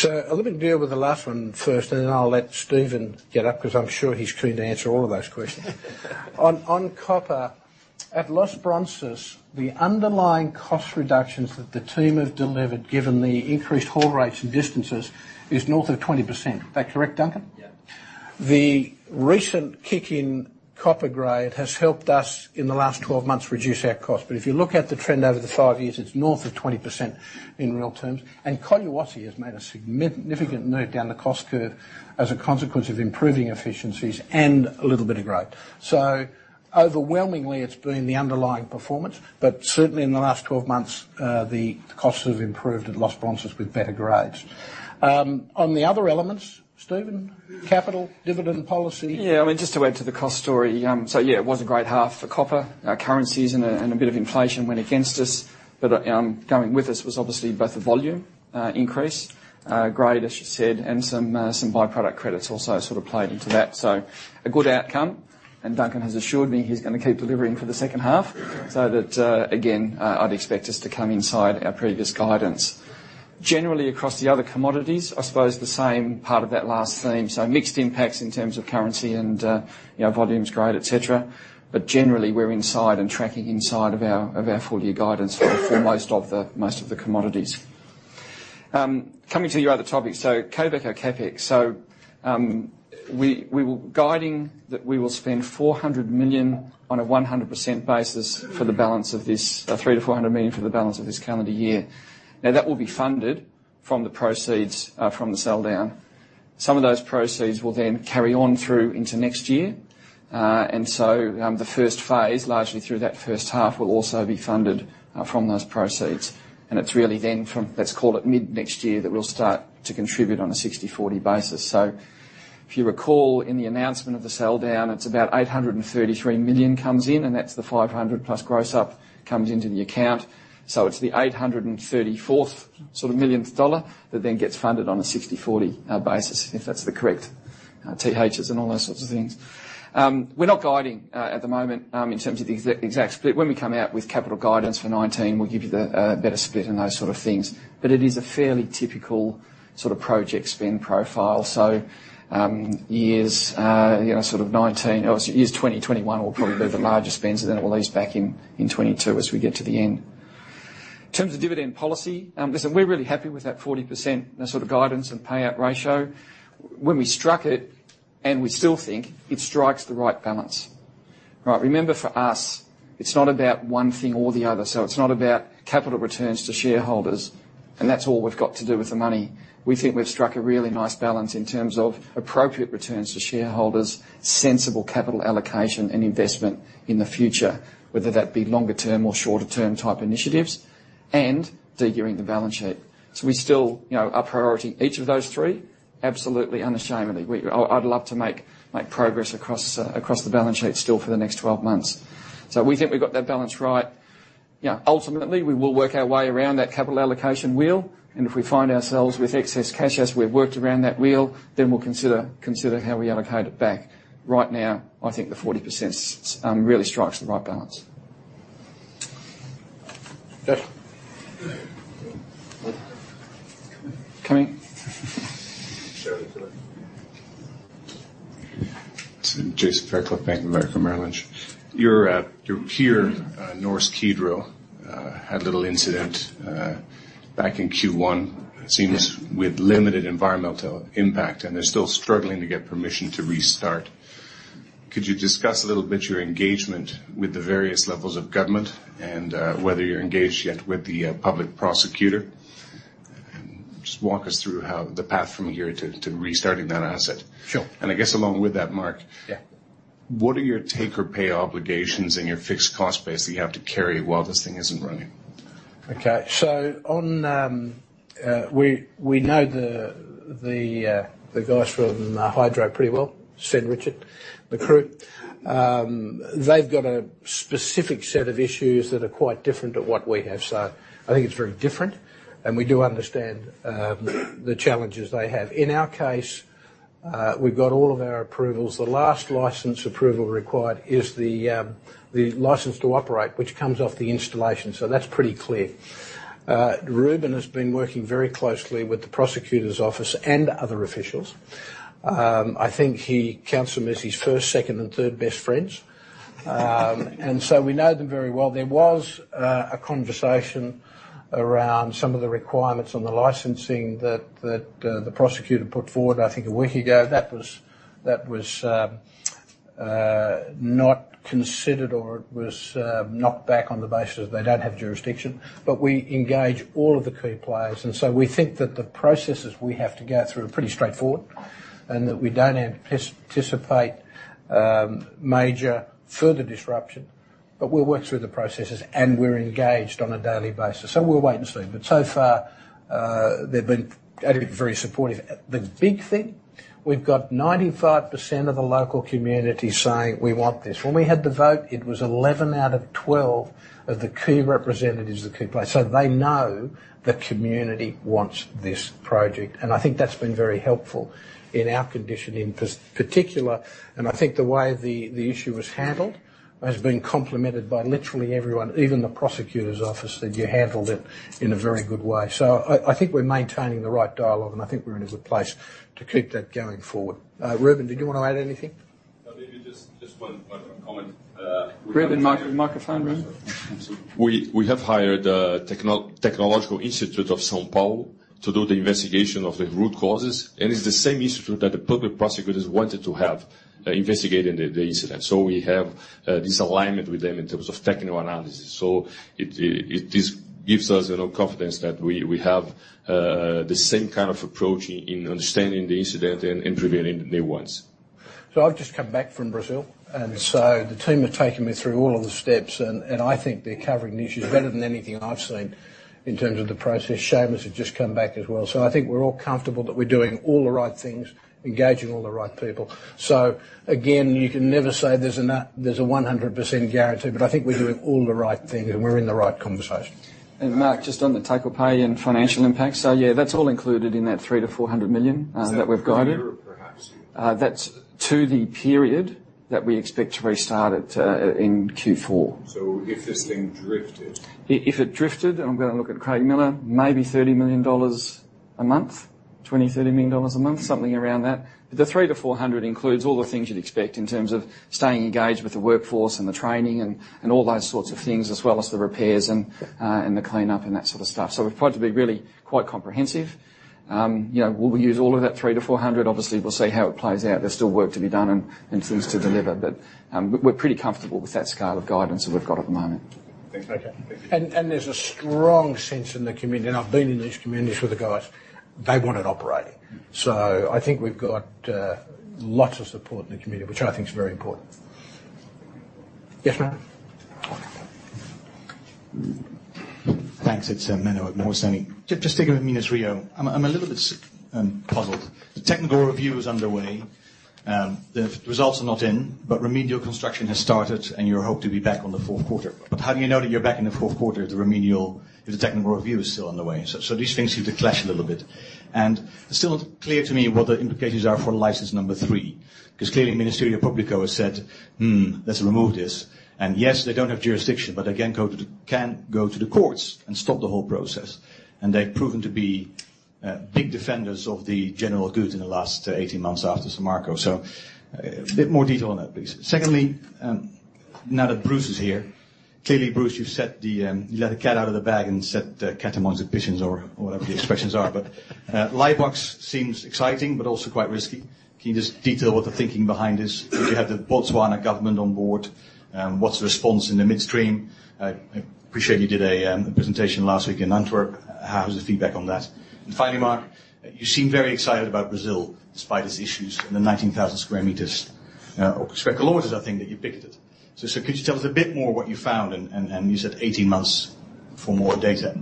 I'll maybe deal with the last one first, and then I'll let Stephen get up because I'm sure he's keen to answer all of those questions. At Los Bronces, the underlying cost reductions that the team have delivered, given the increased haul rates and distances, is north of 20%. Is that correct, Duncan? Yeah. The recent kick in copper grade has helped us in the last 12 months reduce our cost. If you look at the trend over the five years, it's north of 20% in real terms. Colquiri has made a significant note down the cost curve as a consequence of improving efficiencies and a little bit of growth. Overwhelmingly, it's been the underlying performance, but certainly in the last 12 months, the costs have improved at Los Bronces with better grades. On the other elements, Stephen, capital, dividend policy? Yeah. Just to add to the cost story. Yeah, it was a great half for copper. Our currencies and a bit of inflation went against us. Going with us was obviously both the volume increase, grade, as you said, and some by-product credits also sort of played into that. A good outcome, and Duncan has assured me he's going to keep delivering for the second half. That, again, I'd expect us to come inside our previous guidance. Generally, across the other commodities, I suppose the same part of that last theme. Mixed impacts in terms of currency and volumes, grade, et cetera. Generally, we're inside and tracking inside of our full year guidance for most of the commodities. Coming to your other topic, CapEx. We're guiding that we will spend $400 million on a 100% basis for the balance of this, $300-$400 million for the balance of this calendar year. That will be funded from the proceeds from the sell down. Some of those proceeds will then carry on through into next year. The first phase, largely through that first half, will also be funded from those proceeds. It's really then from, let's call it mid-next year, that we'll start to contribute on a 60/40 basis. If you recall in the announcement of the sell down, it's about $833 million comes in, and that's the $500 plus gross up comes into the account. It's the 834th sort of millionth dollar that then gets funded on a 60/40 basis, if that's the correct THs and all those sorts of things. We're not guiding at the moment in terms of the exact split. When we come out with capital guidance for 2019, we'll give you the better split and those sort of things. It is a fairly typical sort of project spend profile. Years 2019, obviously years 2020, 2021 will probably be the largest spends, and then it will ease back in 2022 as we get to the end. In terms of dividend policy, listen, we're really happy with that 40% sort of guidance and payout ratio. When we struck it, and we still think, it strikes the right balance. Right? Remember for us, it's not about one thing or the other. It's not about capital returns to shareholders, and that's all we've got to do with the money. We think we've struck a really nice balance in terms of appropriate returns to shareholders, sensible capital allocation and investment in the future, whether that be longer term or shorter term type initiatives, and de-gearing the balance sheet. We still are priority each of those three, absolutely unashamedly. I'd love to make progress across the balance sheet still for the next 12 months. We think we've got that balance right. Ultimately, we will work our way around that capital allocation wheel, and if we find ourselves with excess cash as we've worked around that wheel, then we'll consider how we allocate it back. Right now, I think the 40% really strikes the right balance. Steph. Coming? Share it to him. Jason Fairclough, Bank of America, Merrill Lynch. You're here. Norsk Hydro had a little incident back in Q1. Yeah. It seems with limited environmental impact. They're still struggling to get permission to restart. Could you discuss a little bit your engagement with the various levels of government and whether you're engaged yet with the public prosecutor? Just walk us through how the path from here to restarting that asset. Sure. I guess along with that, Mark. Yeah What are your take or pay obligations and your fixed cost base that you have to carry while this thing isn't running? Okay. On, we know the guys from Hydro pretty well, Svein Richard, the crew. They've got a specific set of issues that are quite different to what we have. I think it's very different, and we do understand the challenges they have. In our case, we've got all of our approvals. The last license approval required is the license to operate, which comes off the installation. That's pretty clear. Ruben has been working very closely with the prosecutor's office and other officials. I think he counts them as his first, second, and third best friends. We know them very well. There was a conversation around some of the requirements on the licensing that the prosecutor put forward, I think a week ago. That was not considered or it was knocked back on the basis they don't have jurisdiction. We engage all of the key players, we think that the processes we have to go through are pretty straightforward and that we don't anticipate major further disruption. We'll work through the processes, and we're engaged on a daily basis. We'll wait and see. So far, they've been very supportive. The big thing, we've got 95% of the local community saying, "We want this." When we had the vote, it was 11 out of 12 of the key representatives of the key players. They know the community wants this project, and I think that's been very helpful in our condition in particular. I think the way the issue was handled has been complimented by literally everyone. Even the prosecutor's office said, "You handled it in a very good way." I think we're maintaining the right dialogue, I think we're in as a place to keep that going forward. Ruben, did you want to add anything? Maybe just one comment. Graeme and Mark. Mark, if I may. We have hired Technological Institute of São Paulo to do the investigation of the root causes, it's the same institute that the public prosecutors wanted to have investigating the incident. We have this alignment with them in terms of technical analysis. It gives us confidence that we have the same kind of approach in understanding the incident and preventing the new ones. I've just come back from Brazil, the team have taken me through all of the steps, I think they're covering the issues better than anything I've seen in terms of the process. Seamus has just come back as well. I think we're all comfortable that we're doing all the right things, engaging all the right people. Again, you can never say there's a 100% guarantee, I think we're doing all the right things and we're in the right conversation. Mark, just on the take-or-pay and financial impact. Yeah, that's all included in that $300 million-$400 million that we've guided. Is that per year, perhaps? That is to the period that we expect to restart it in Q4. If this thing drifted. If it drifted, I am going to look at Craig Miller, maybe ZAR 30 million a month. 20 million, ZAR 30 million a month, something around that. The 300 million-400 million includes all the things you would expect in terms of staying engaged with the workforce and the training and all those sorts of things, as well as the repairs and the cleanup and that sort of stuff. We are trying to be really quite comprehensive. Will we use all of that 300 million-400 million? Obviously, we will see how it plays out. There is still work to be done and things to deliver, but we are pretty comfortable with that scale of guidance that we have got at the moment. Thanks, Mark. There's a strong sense in the community, and I've been in these communities with the guys. They want it operating. I think we've got lots of support in the community, which I think is very important. Yes, ma'am. Thanks. It's Menno, at Morgan Stanley. Just sticking with Minas Rio. I'm a little bit puzzled. The technical review is underway. The results are not in, remedial construction has started and you hope to be back on the fourth quarter. How do you know that you're back in the fourth quarter if the technical review is still underway? These things seem to clash a little bit. It's still not clear to me what the implications are for license number three, because clearly Ministério Público has said, "Hmm, let's remove this." Yes, they don't have jurisdiction, but they can go to the courts and stop the whole process. They've proven to be big defenders of the general good in the last 18 months after Samarco. A bit more detail on that, please. Secondly, now that Bruce is here. Clearly, Bruce, you let the cat out of the bag and set the cat amongst the pigeons or whatever the expressions are. Lightbox seems exciting but also quite risky. Can you just detail what the thinking behind is? Do you have the Botswana government on board? What's the response in the midstream? I appreciate you did a presentation last week in Antwerp. How was the feedback on that? Finally, Mark, you seem very excited about Brazil despite its issues and the 19,000 square kilometers, I think, that you picked it. Could you tell us a bit more what you found? You said 18 months for more data,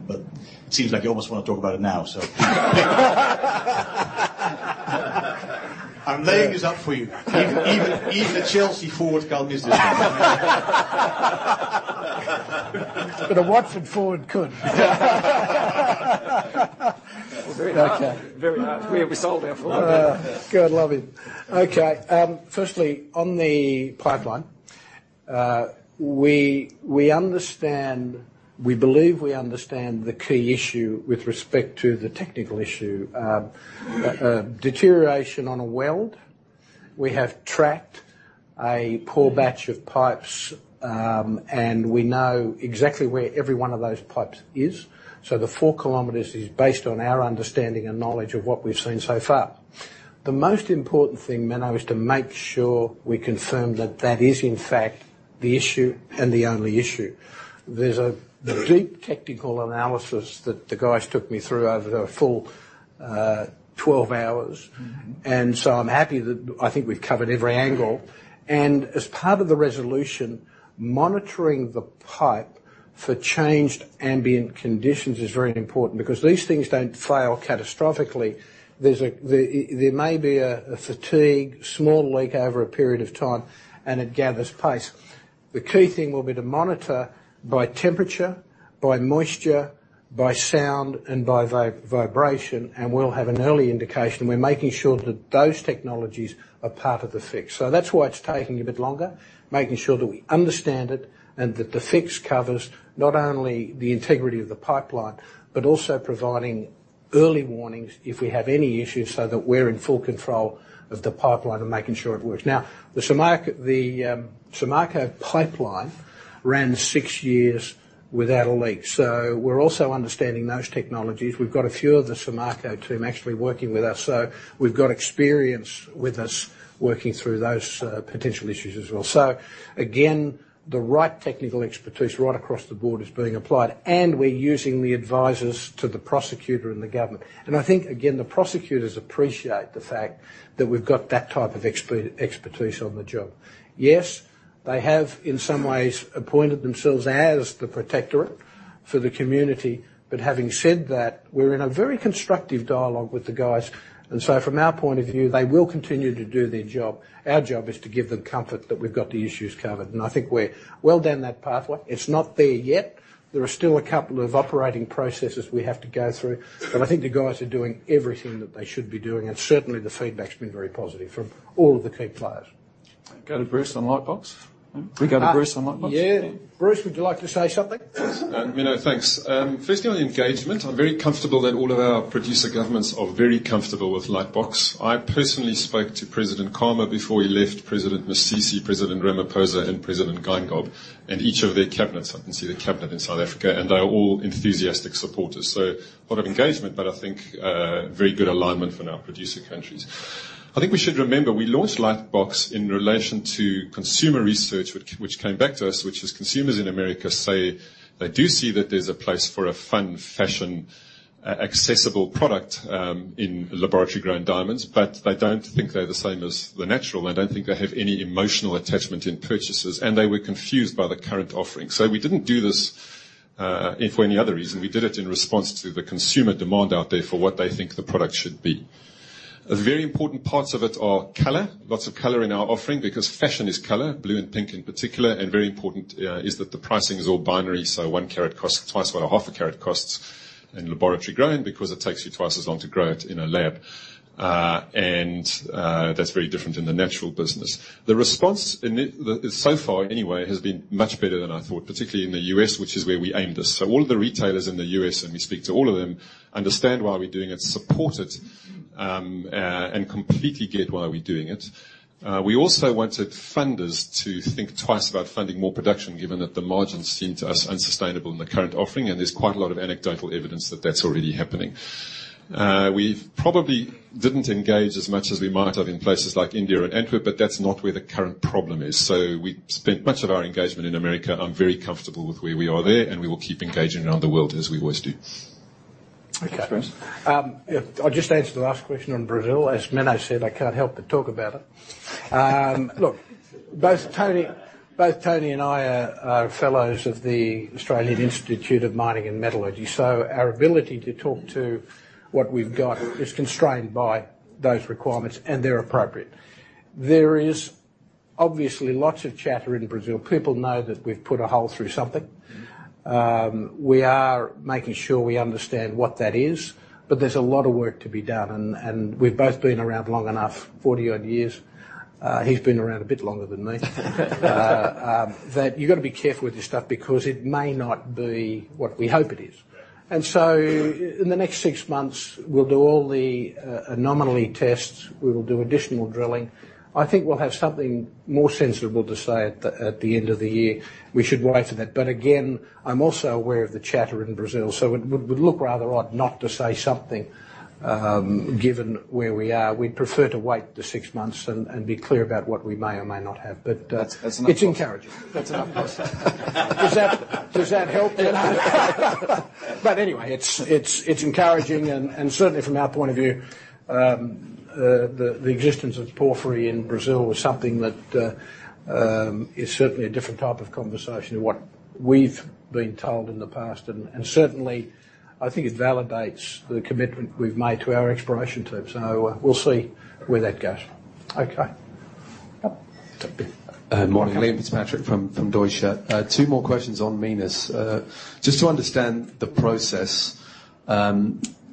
it seems like you almost want to talk about it now. I'm laying this up for you. Even a Chelsea forward can't miss this. A Watford forward could. Very harsh. We sold our forward. Good. Love it. Okay. Firstly, on the pipeline. We believe we understand the key issue with respect to the technical issue. A deterioration on a weld. We have tracked a poor batch of pipes, and we know exactly where every one of those pipes is. The 4 km is based on our understanding and knowledge of what we've seen so far. The most important thing, Menno, is to make sure we confirm that that is, in fact, the issue and the only issue. There's a deep technical analysis that the guys took me through over a full 12 hours. As part of the resolution, monitoring the pipe for changed ambient conditions is very important because these things don't fail catastrophically. There may be a fatigue, small leak over a period of time, and it gathers pace. The key thing will be to monitor by temperature, by moisture, by sound, and by vibration, and we'll have an early indication. We're making sure that those technologies are part of the fix. That's why it's taking a bit longer, making sure that we understand it and that the fix covers not only the integrity of the pipeline, but also providing early warnings if we have any issues so that we're in full control of the pipeline and making sure it works. The Samarco pipeline ran six years without a leak. We're also understanding those technologies. We've got a few of the Samarco team actually working with us, so we've got experience with us working through those potential issues as well. Again, the right technical expertise right across the board is being applied, and we're using the advisors to the prosecutor and the government. I think, again, the prosecutors appreciate the fact that we've got that type of expertise on the job. Yes, they have, in some ways, appointed themselves as the protectorate for the community. Having said that, we're in a very constructive dialogue with the guys. From our point of view, they will continue to do their job. Our job is to give them comfort that we've got the issues covered, and I think we're well down that pathway. It's not there yet. There are still a couple of operating processes we have to go through. I think the guys are doing everything that they should be doing, and certainly the feedback's been very positive from all of the key players. Go to Bruce on Lightbox. We go to Bruce on Lightbox? Yeah. Bruce, would you like to say something? Menno, thanks. Firstly on engagement, I'm very comfortable that all of our producer governments are very comfortable with Lightbox. I personally spoke to Ian Khama before he left, Mokgweetsi Masisi, President Ramaphosa, and Hage Geingob, and each of their cabinets. I can see the cabinet in South Africa, and they are all enthusiastic supporters. A lot of engagement, but I think very good alignment for our producer countries. I think we should remember, we launched Lightbox in relation to consumer research, which came back to us, which is consumers in America say they do see that there's a place for a fun, fashion, accessible product, in laboratory-grown diamonds, but they don't think they're the same as the natural, and they don't think they have any emotional attachment in purchases, and they were confused by the current offering. We didn't do this, if for any other reason, we did it in response to the consumer demand out there for what they think the product should be. A very important parts of it are color, lots of color in our offering because fashion is color, blue and pink in particular, and very important, is that the pricing is all binary, so one carat costs twice what a half a carat costs in laboratory grown because it takes you twice as long to grow it in a lab. That's very different in the natural business. The response in it, so far anyway, has been much better than I thought, particularly in the U.S., which is where we aimed this. All of the retailers in the U.S., and we speak to all of them, understand why we're doing it, support it, and completely get why we're doing it. We also wanted funders to think twice about funding more production, given that the margins seem to us unsustainable in the current offering, and there's quite a lot of anecdotal evidence that that's already happening. We've probably didn't engage as much as we might have in places like India and Antwerp, but that's not where the current problem is. We spent much of our engagement in America. I'm very comfortable with where we are there, and we will keep engaging around the world as we always do. Thanks, Bruce. Yeah. I'll just answer the last question on Brazil. As Menno said, I can't help but talk about it. Look, both Tony and I are fellows of the Australian Institute of Mining and Metallurgy, so our ability to talk to what we've got is constrained by those requirements, and they're appropriate. There is obviously lots of chatter in Brazil. People know that we've put a hole through something. We are making sure we understand what that is, but there's a lot of work to be done, and we've both been around long enough, 40-odd years. He's been around a bit longer than me. That you've gotta be careful with this stuff because it may not be what we hope it is. Yeah. In the next 6 months, we'll do all the anomaly tests. We will do additional drilling. I think we'll have something more sensible to say at the end of the year. We should wait for that. Again, I'm also aware of the chatter in Brazil, so it would look rather odd not to say something, given where we are. We'd prefer to wait the 6 months and be clear about what we may or may not have. That's an up cost. It's encouraging. That's an up cost. Does that help then? Anyway, it's encouraging and certainly from our point of view, the existence of porphyry in Brazil was something that is certainly a different type of conversation to what we've been told in the past. Certainly, I think it validates the commitment we've made to our exploration team. We'll see where that goes. Okay. Yep. Good morning. Liam Fitzpatrick from Deutsche. Two more questions on Minas. Just to understand the process,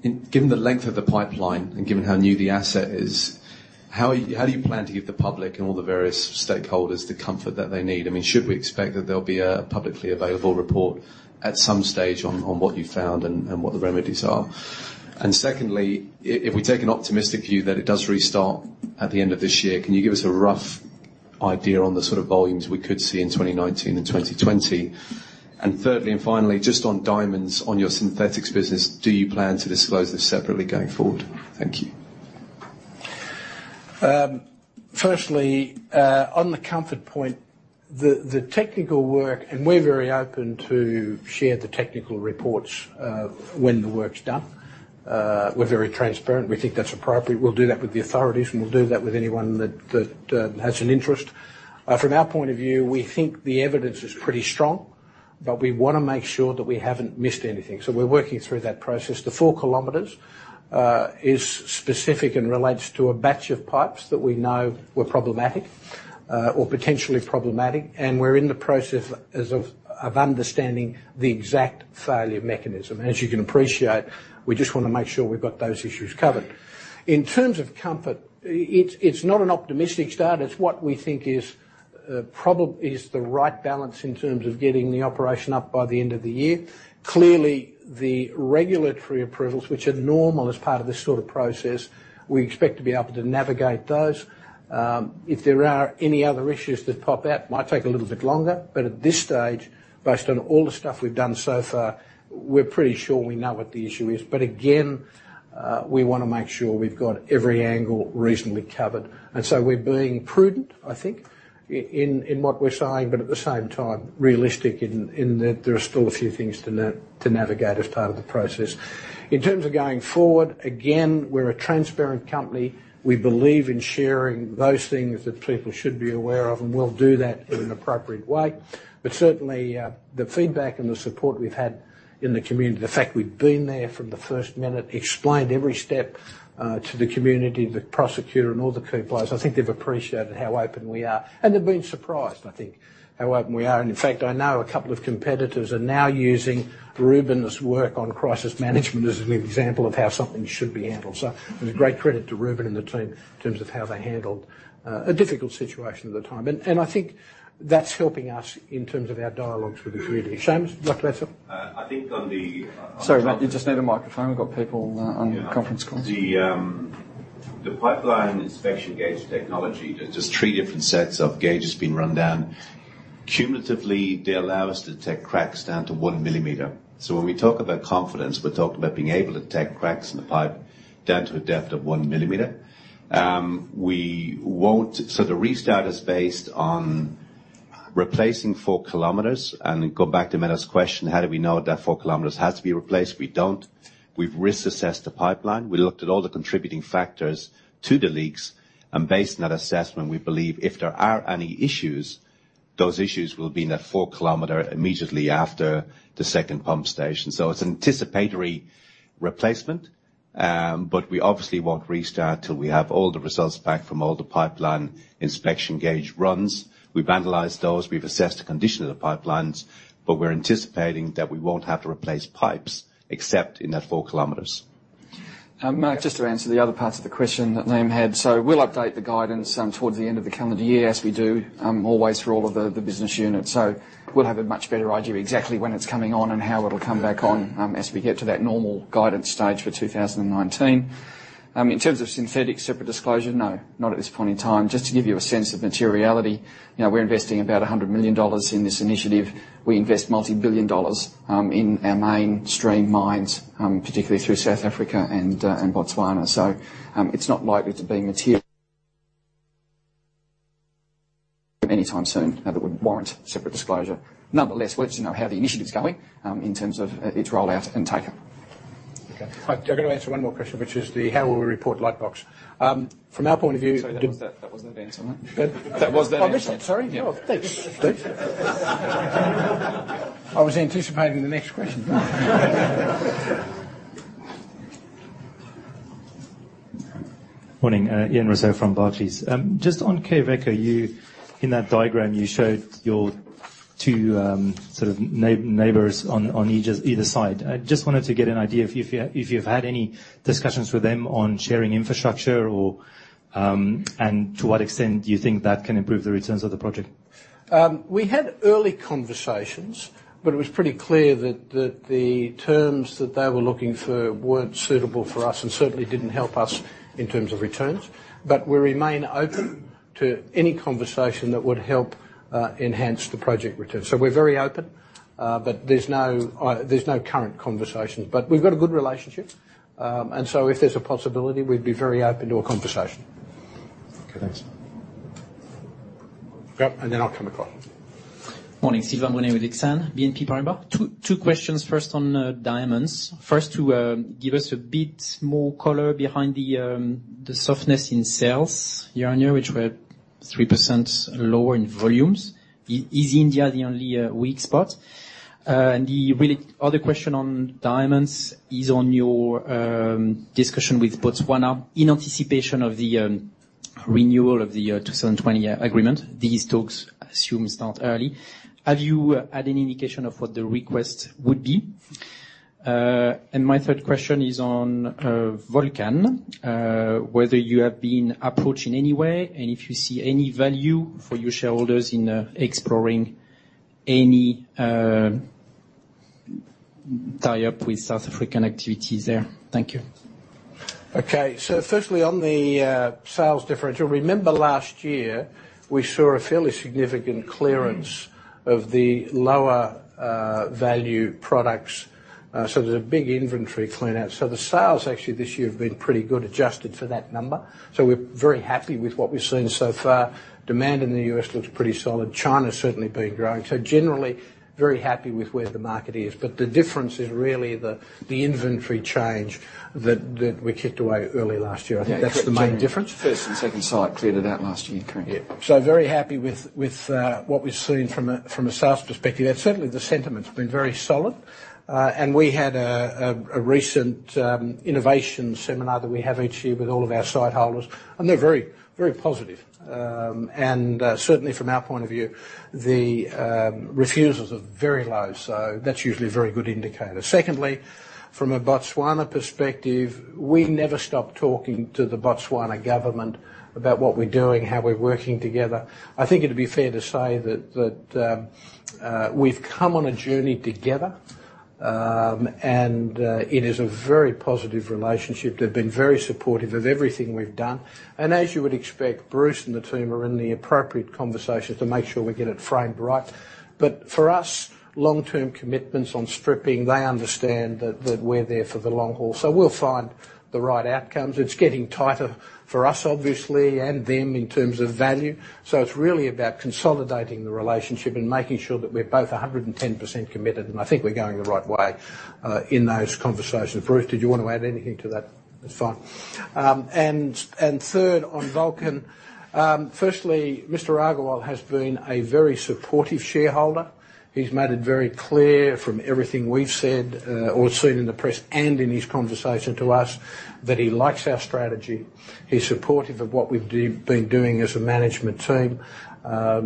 given the length of the pipeline and given how new the asset is, how do you plan to give the public and all the various stakeholders the comfort that they need? I mean, should we expect that there'll be a publicly available report at some stage on what you found and what the remedies are? Secondly, if we take an optimistic view that it does restart at the end of this year, can you give us a rough idea on the sort of volumes we could see in 2019 and 2020? Thirdly and finally, just on diamonds, on your synthetics business, do you plan to disclose this separately going forward? Thank you. Firstly, on the comfort point, the technical work. We're very open to share the technical reports when the work's done. We're very transparent. We think that's appropriate. We'll do that with the authorities. We'll do that with anyone that has an interest. From our point of view, we think the evidence is pretty strong, but we wanna make sure that we haven't missed anything. We're working through that process. The 4 kilometers is specific and relates to a batch of pipes that we know were problematic or potentially problematic, and we're in the process of understanding the exact failure mechanism. As you can appreciate, we just wanna make sure we've got those issues covered. In terms of comfort, it's not an optimistic start. It's what we think is the right balance in terms of getting the operation up by the end of the year. Clearly, the regulatory approvals, which are normal as part of this sort of process, we expect to be able to navigate those. If there are any other issues that pop out, might take a little bit longer. At this stage, based on all the stuff we've done so far. We're pretty sure we know what the issue is. Again, we want to make sure we've got every angle reasonably covered. We're being prudent, I think, in what we're saying, but at the same time, realistic in that there are still a few things to navigate as part of the process. In terms of going forward, again, we're a transparent company. We believe in sharing those things that people should be aware of. We'll do that in an appropriate way. Certainly, the feedback and the support we've had in the community, the fact we've been there from the first minute, explained every step to the community, the prosecutor, and all the key players, I think they've appreciated how open we are. They've been surprised, I think, how open we are. In fact, I know a couple of competitors are now using Ruben's work on crisis management as an example of how something should be handled. It was a great credit to Ruben and the team in terms of how they handled a difficult situation at the time. I think that's helping us in terms of our dialogues with the community. Seamus, would you like to add something? I think on the- Sorry, mate, you just need a microphone. We've got people on conference calls. The pipeline inspection gauge technology, there's three different sets of gauges being run down. Cumulatively, they allow us to detect cracks down to one millimeter. When we talk about confidence, we're talking about being able to detect cracks in the pipe down to a depth of one millimeter. The restart is based on replacing four kilometers. Go back to Menno's question, how do we know that four kilometers has to be replaced? We don't. We've risk assessed the pipeline. We looked at all the contributing factors to the leaks. Based on that assessment, we believe if there are any issues, those issues will be in that four kilometer immediately after the second pump station. It's anticipatory replacement. We obviously won't restart till we have all the results back from all the pipeline inspection gauge runs. We vandalized those, we've assessed the condition of the pipelines. We're anticipating that we won't have to replace pipes, except in that four kilometers. Mark, just to answer the other parts of the question that Liam had. We'll update the guidance towards the end of the calendar year, as we do always for all of the business units. We'll have a much better idea exactly when it's coming on and how it'll come back on as we get to that normal guidance stage for 2019. In terms of synthetic separate disclosure, no, not at this point in time. Just to give you a sense of materiality, we're investing about $100 million in this initiative. We invest multi-billion dollars in our mainstream mines, particularly through South Africa and Botswana. It's not likely to be material anytime soon that would warrant separate disclosure. Nonetheless, we'll let you know how the initiative's going in terms of its rollout and take-up. Okay. I've got to answer one more question, which is the how will we report Lightbox. From our point of view- Sorry, that was that. That was the answer, mate. Good. That was the answer. Oh, was that? Sorry. Yeah. Oh, thanks. I was anticipating the next question. Morning. Ian Rossouw from Barclays. Just on Quellaveco, in that diagram, you showed your two sort of neighbors on either side. I just wanted to get an idea if you've had any discussions with them on sharing infrastructure or, and to what extent do you think that can improve the returns of the project? We had early conversations, but it was pretty clear that the terms that they were looking for weren't suitable for us and certainly didn't help us in terms of returns. We remain open to any conversation that would help enhance the project return. We're very open, but there's no current conversations. We've got a good relationship, and so if there's a possibility, we'd be very open to a conversation. Okay, thanks. Yep, I'll come across. Morning. Sylvain Monet with Exane BNP Paribas. Two questions. First on diamonds. First, to give us a bit more color behind the softness in sales year-over-year, which were 3% lower in volumes. Is India the only weak spot? The other question on diamonds is on your discussion with Botswana in anticipation of the renewal of the 2020 agreement. These talks, I assume, start early. Have you had any indication of what the request would be? My third question is on Volcan, whether you have been approached in any way and if you see any value for your shareholders in exploring any tie-up with South African activities there. Thank you. Okay. Firstly, on the sales differential, remember last year we saw a fairly significant clearance of the lower value products. There's a big inventory clean out. The sales actually this year have been pretty good, adjusted for that number. We're very happy with what we've seen so far. Demand in the U.S. looks pretty solid. China's certainly been growing. Generally, very happy with where the market is. The difference is really the inventory change that we kicked away early last year. I think that's the main difference. First and second site cleared it out last year. Correct. Very happy with what we've seen from a sales perspective. Certainly, the sentiment's been very solid. We had a recent innovation seminar that we have each year with all of our site holders, and they're very positive. Certainly, from our point of view, the refusals are very low. That's usually a very good indicator. Secondly, from a Botswana perspective, we never stop talking to the Botswana government about what we're doing, how we're working together. I think it'd be fair to say that we've come on a journey together, and it is a very positive relationship. They've been very supportive of everything we've done. As you would expect, Bruce and the team are in the appropriate conversation to make sure we get it framed right. For us, long-term commitments on stripping, they understand that we're there for the long haul. We'll find the right outcomes. It's getting tighter for us, obviously, and them in terms of value. It's really about consolidating the relationship and making sure that we're both 110% committed, and I think we're going the right way in those conversations. Bruce, did you want to add anything to that? That's fine. Third, on Volcan. Firstly, Mr. Agarwal has been a very supportive shareholder. He's made it very clear from everything we've said or seen in the press and in his conversation to us, that he likes our strategy. He's supportive of what we've been doing as a management team.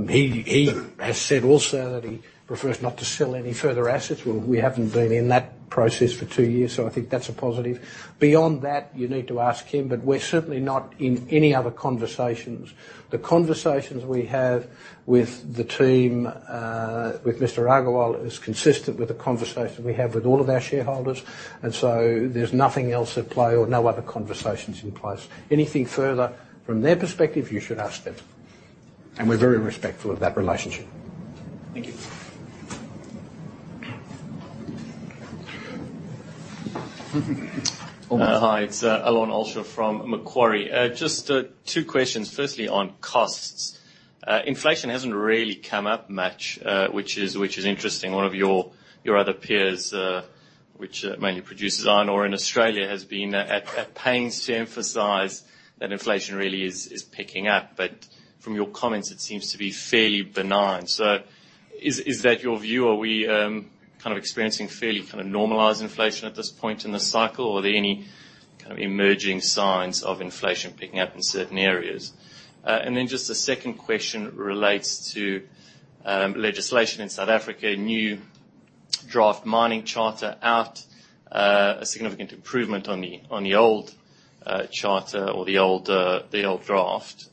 He has said also that he prefers not to sell any further assets. Well, we haven't been in that process for two years, so I think that's a positive. Beyond that, you need to ask him, but we're certainly not in any other conversations. The conversations we have with the team, with Mr. Agarwal, is consistent with the conversation we have with all of our shareholders. There's nothing else at play or no other conversations in place. Anything further from their perspective, you should ask them. We're very respectful of that relationship. Thank you. Hi, it's Alon Alishay from Macquarie. Just two questions. Firstly, on costs. Inflation hasn't really come up much, which is interesting. One of your other peers, which mainly produces iron ore in Australia, has been at pains to emphasize that inflation really is picking up. From your comments, it seems to be fairly benign. Is that your view? Are we experiencing fairly normalized inflation at this point in the cycle, or are there any emerging signs of inflation picking up in certain areas? Just the second question relates to legislation in South Africa, a new draft Mining Charter out, a significant improvement on the old charter or the old draft.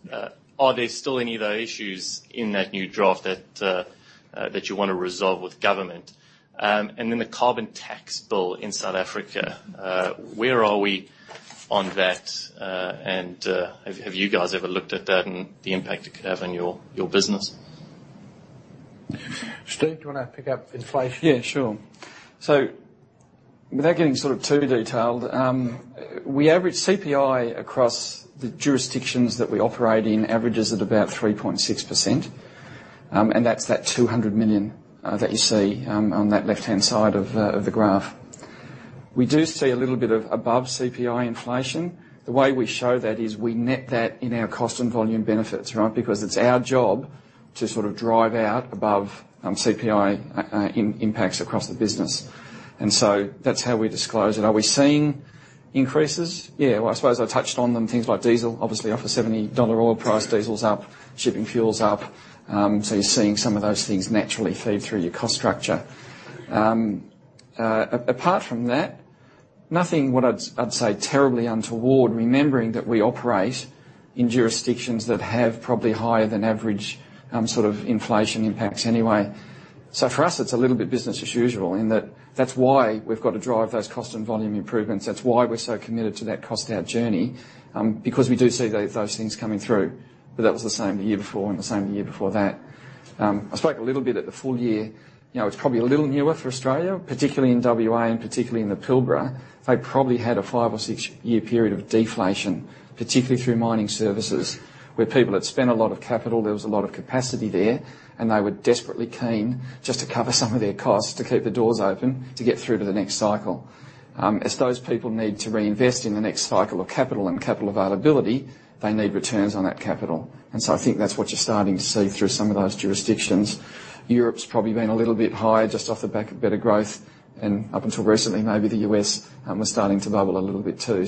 Are there still any of those issues in that new draft that you want to resolve with government? The Carbon Tax bill in South Africa, where are we on that? Have you guys ever looked at that and the impact it could have on your business? Steve, do you want to pick up inflation? Yeah, sure. Without getting too detailed, we average CPI across the jurisdictions that we operate in, averages at about 3.6%. That's that $200 million that you see on that left-hand side of the graph. We do see a little bit of above CPI inflation. The way we show that is we net that in our cost and volume benefits, right? It's our job to sort of drive out above CPI impacts across the business. That's how we disclose it. Are we seeing increases? Yeah. I suppose I touched on them. Things like diesel, obviously off a $70 oil price, diesel's up, shipping fuel's up. You're seeing some of those things naturally feed through your cost structure. Apart from that, nothing what I'd say terribly untoward, remembering that we operate in jurisdictions that have probably higher than average inflation impacts anyway. For us, it's a little bit business as usual in that that's why we've got to drive those cost and volume improvements. That's why we're so committed to that cost out journey, we do see those things coming through. That was the same the year before and the same the year before that. I spoke a little bit at the full year. It's probably a little newer for Australia, particularly in WA and particularly in the Pilbara. They probably had a five or six-year period of deflation, particularly through mining services, where people had spent a lot of capital, there was a lot of capacity there, and they were desperately keen just to cover some of their costs to keep the doors open to get through to the next cycle. As those people need to reinvest in the next cycle of capital and capital availability, they need returns on that capital. I think that's what you're starting to see through some of those jurisdictions. Europe's probably been a little bit higher just off the back of better growth. And up until recently, maybe the U.S. was starting to bubble a little bit too.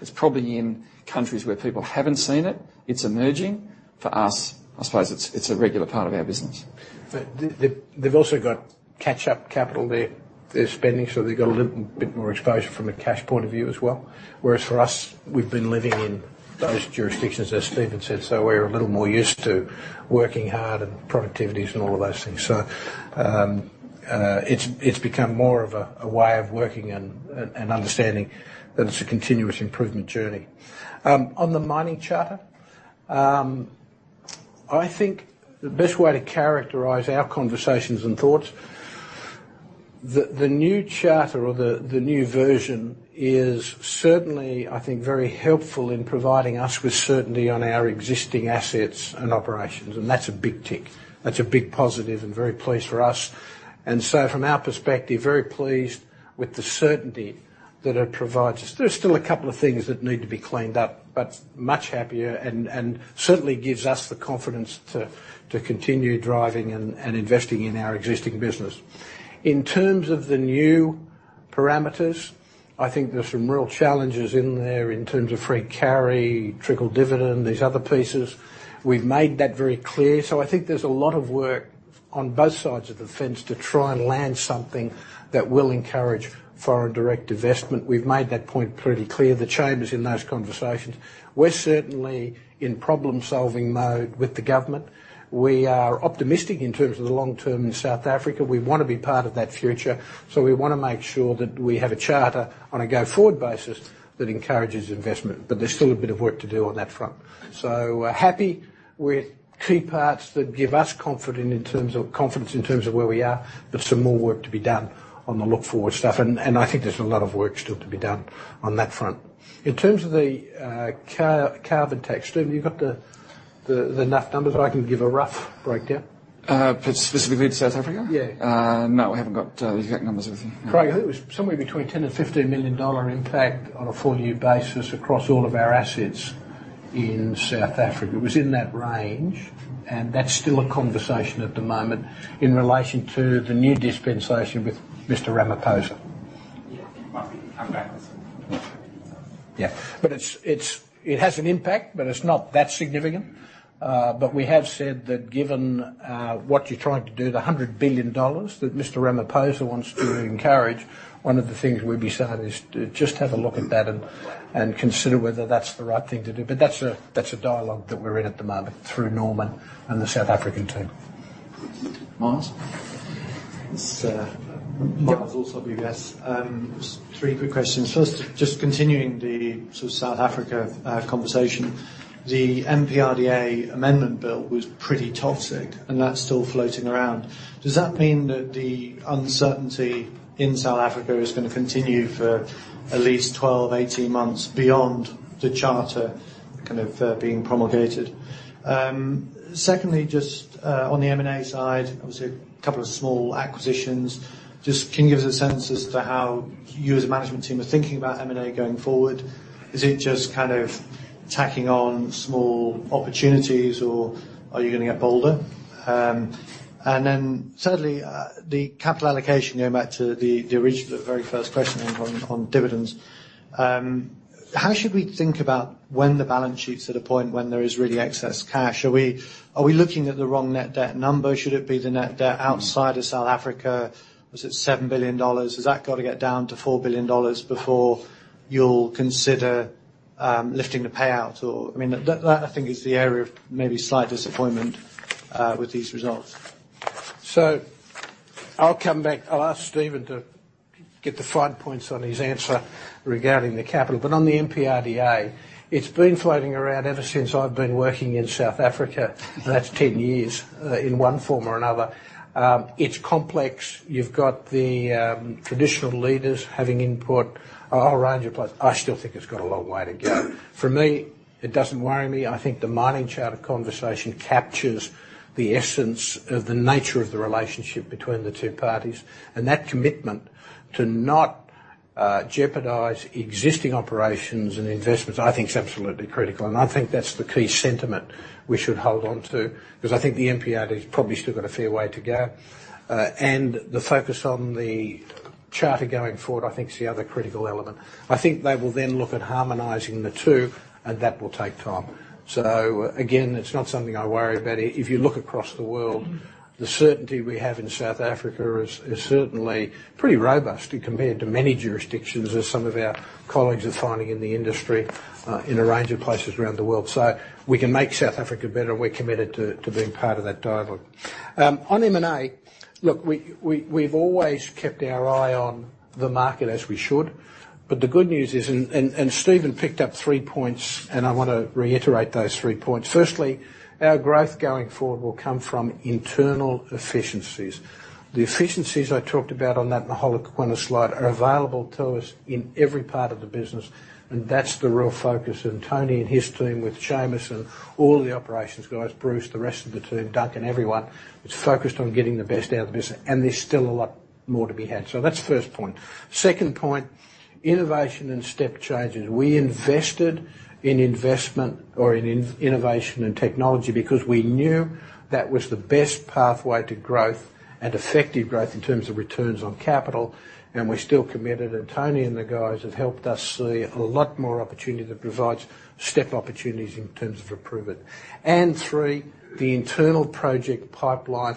It's probably in countries where people haven't seen it. It's emerging. For us, I suppose it's a regular part of our business. They've also got catch-up capital they're spending, so they've got a little bit more exposure from a cash point of view as well. Whereas for us, we've been living in those jurisdictions, as Stephen said, so we're a little more used to working hard and productivities and all of those things. It's become more of a way of working and understanding that it's a continuous improvement journey. On the Mining Charter, I think the best way to characterize our conversations and thoughts, the new charter or the new version is certainly, I think, very helpful in providing us with certainty on our existing assets and operations. That's a big tick. That's a big positive and very pleased for us. From our perspective, very pleased with the certainty that it provides us. Much happier and certainly gives us the confidence to continue driving and investing in our existing business. In terms of the new parameters, I think there's some real challenges in there in terms of free carry, trickle dividend, these other pieces. We've made that very clear. I think there's a lot of work on both sides of the fence to try and land something that will encourage foreign direct investment. We've made that point pretty clear. The Chamber's in those conversations. We're certainly in problem-solving mode with the government. We are optimistic in terms of the long term in South Africa. We want to be part of that future. We want to make sure that we have a charter on a go-forward basis that encourages investment. There's still a bit of work to do on that front. Happy with key parts that give us confidence in terms of where we are, but some more work to be done on the look-forward stuff and I think there's a lot of work still to be done on that front. In terms of the Carbon Tax, Stephen, have you got the rough numbers? I can give a rough breakdown. Specifically to South Africa? Yeah. No, we haven't got the exact numbers with me. No. Craig, I think it was somewhere between $10 million-$15 million impact on a full-year basis across all of our assets in South Africa. It was in that range, and that's still a conversation at the moment in relation to the new dispensation with Cyril Ramaphosa. It might be come back this year. Yeah. It's it has an impact, but it's not that significant. We have said that given what you're trying to do, the $100 billion that Mr. Ramaphosa wants to encourage, one of the things we'd be saying is to just have a look at that and consider whether that's the right thing to do. That's a dialogue that we're in at the moment through Norman and the South African team. Myles? It's. Yeah. Myles Allsop UBS. Just three quick questions. First, just continuing the sort of South Africa conversation. The MPRDA amendment bill was pretty toxic, and that's still floating around. Does that mean that the uncertainty in South Africa is gonna continue for at least 12, 18 months beyond the charter kind of being promulgated? Secondly, just on the M&A side, obviously a couple of small acquisitions. Can you give us a sense as to how you as a management team are thinking about M&A going forward? Is it just kind of tacking on small opportunities or are you gonna get bolder? Thirdly, the capital allocation, going back to the original, the very first question on dividends. How should we think about when the balance sheet's at a point when there is really excess cash? Are we looking at the wrong net debt number? Should it be the net debt outside of South Africa? Was it $7 billion? Has that got to get down to $4 billion before you'll consider lifting the payout? I mean, that I think is the area of maybe slight disappointment with these results. I'll come back. I'll ask Stephen to get the fine points on his answer regarding the capital. On the MPRDA, it's been floating around ever since I've been working in South Africa, and that's 10 years in one form or another. It's complex. You've got the traditional leaders having input, a whole range of places. I still think it's got a long way to go. For me, it doesn't worry me. I think the Mining Charter conversation captures the essence of the nature of the relationship between the two parties, and that commitment to not jeopardize existing operations and investments, I think is absolutely critical. I think that's the key sentiment we should hold on to, because I think the MPRDA's probably still got a fair way to go. The focus on the charter going forward, I think, is the other critical element. I think they will then look at harmonizing the two, and that will take time. Again, it's not something I worry about. If you look across the world. the certainty we have in South Africa is certainly pretty robust compared to many jurisdictions, as some of our colleagues are finding in the industry in a range of places around the world. We can make South Africa better, and we're committed to being part of that dialogue. On M&A, look, we've always kept our eye on the market as we should. The good news is, and Stephen picked up three points, and I want to reiterate those three points. Firstly, our growth going forward will come from internal efficiencies. The efficiencies I talked about on that Mogalakwena slide are available to us in every part of the business, and that's the real focus. Tony and his team with Seamus and all the operations guys, Bruce, the rest of the team, Duncan, everyone, is focused on getting the best out of the business. There's still a lot more to be had. That's first point. Second point, innovation and step changes. We invested in innovation and technology because we knew that was the best pathway to growth and effective growth in terms of returns on capital, and we're still committed. Tony and the guys have helped us see a lot more opportunity that provides step opportunities in terms of improvement. Three, the internal project pipeline.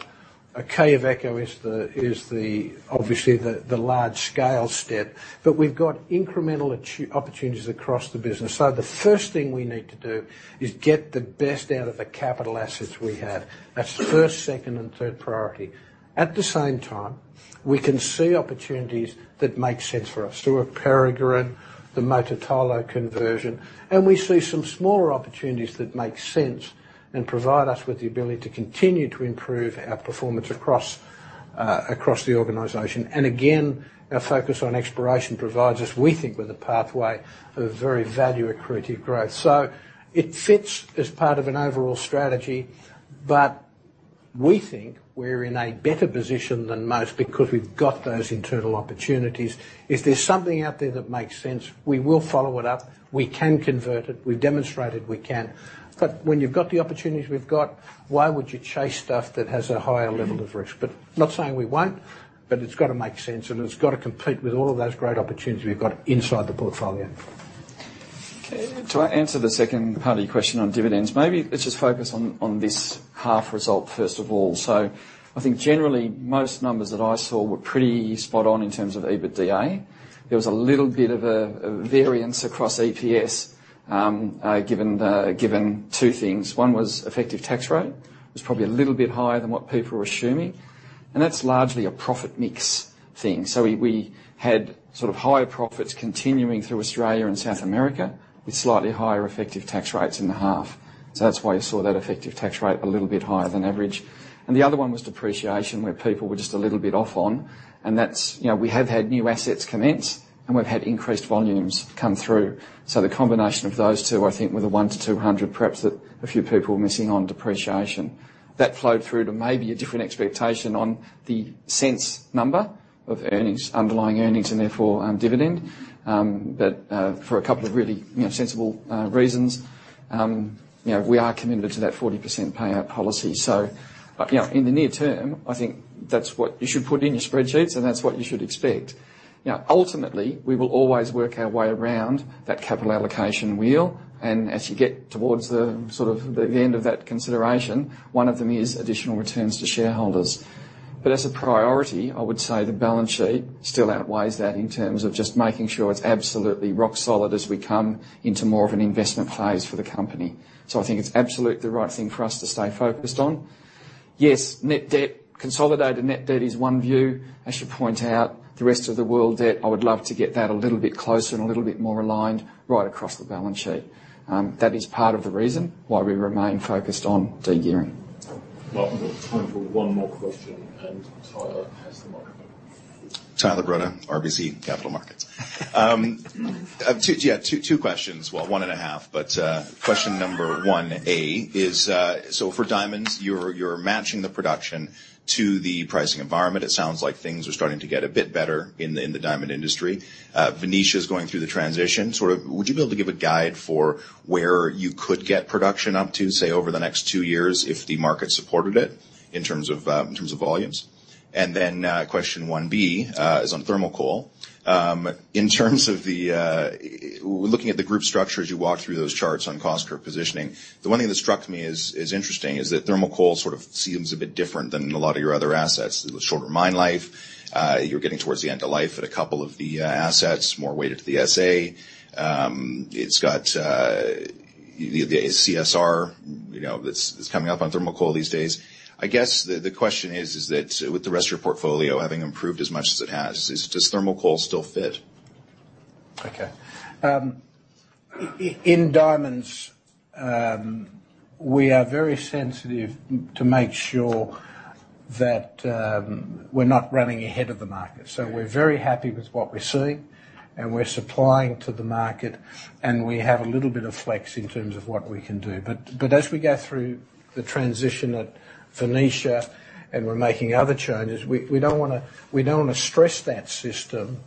Okavango is the obviously the large scale step. We've got incremental opportunities across the business. The first thing we need to do is get the best out of the capital assets we have. That's first, second, and third priority. At the same time, we can see opportunities that make sense for us. At Peregrine, the Mototolo conversion. We see some smaller opportunities that make sense and provide us with the ability to continue to improve our performance across the organization. Again, our focus on exploration provides us, we think, with a pathway of very value accretive growth. It fits as part of an overall strategy, but we think we're in a better position than most because we've got those internal opportunities. If there's something out there that makes sense, we will follow it up. We can convert it. We've demonstrated we can. When you've got the opportunities we've got, why would you chase stuff that has a higher level of risk? Not saying we won't, but it's got to make sense, and it's got to compete with all of those great opportunities we've got inside the portfolio. To answer the second part of your question on dividends, maybe let's just focus on this half result, first of all. I think generally, most numbers that I saw were pretty spot on in terms of EBITDA. There was a little bit of a variance across EPS, given two things. One was effective tax rate. It was probably a little bit higher than what people were assuming, and that's largely a profit mix thing. We had sort of higher profits continuing through Australia and South America, with slightly higher effective tax rates in the half. That's why you saw that effective tax rate a little bit higher than average. The other one was depreciation, where people were just a little bit off on, and that's we have had new assets commence, and we've had increased volumes come through. The combination of those two, I think were the $100-$200, perhaps, that a few people were missing on depreciation. That flowed through to maybe a different expectation on the sense number of earnings, underlying earnings, and therefore dividend. For a couple of really sensible reasons, we are committed to that 40% payout policy. In the near term, I think that's what you should put in your spreadsheets, and that's what you should expect. Ultimately, we will always work our way around that capital allocation wheel, and as you get towards the end of that consideration, one of them is additional returns to shareholders. As a priority, I would say the balance sheet still outweighs that in terms of just making sure it's absolutely rock solid as we come into more of an investment phase for the company. I think it's absolutely the right thing for us to stay focused on. Yes, net debt, consolidated net debt is one view. I should point out, the rest of the world debt, I would love to get that a little bit closer and a little bit more aligned right across the balance sheet. That is part of the reason why we remain focused on de-gearing. Mark, we've got time for one more question, and Tyler has the microphone. Tyler Broda, RBC Capital Markets. Two questions. One and a half. Question number 1A is, for diamonds, you're matching the production to the pricing environment. It sounds like things are starting to get a bit better in the diamond industry. Venetia is going through the transition. Would you be able to give a guide for where you could get production up to, say, over the next two years if the market supported it in terms of volumes? Question 1B is on thermal coal. We're looking at the group structure as you walk through those charts on cost curve positioning. The one thing that struck me as interesting is that thermal coal sort of seems a bit different than a lot of your other assets. Shorter mine life. You're getting towards the end of life at a couple of the assets, more weighted to the SA. It's got the CSR that's coming up on thermal coal these days. I guess the question is that with the rest of your portfolio having improved as much as it has, does thermal coal still fit? Okay. In diamonds, we are very sensitive to make sure that we're not running ahead of the market. We're very happy with what we're seeing, and we're supplying to the market, and we have a little bit of flex in terms of what we can do. As we go through the transition at Venetia and we're making other changes, we don't want to stress that system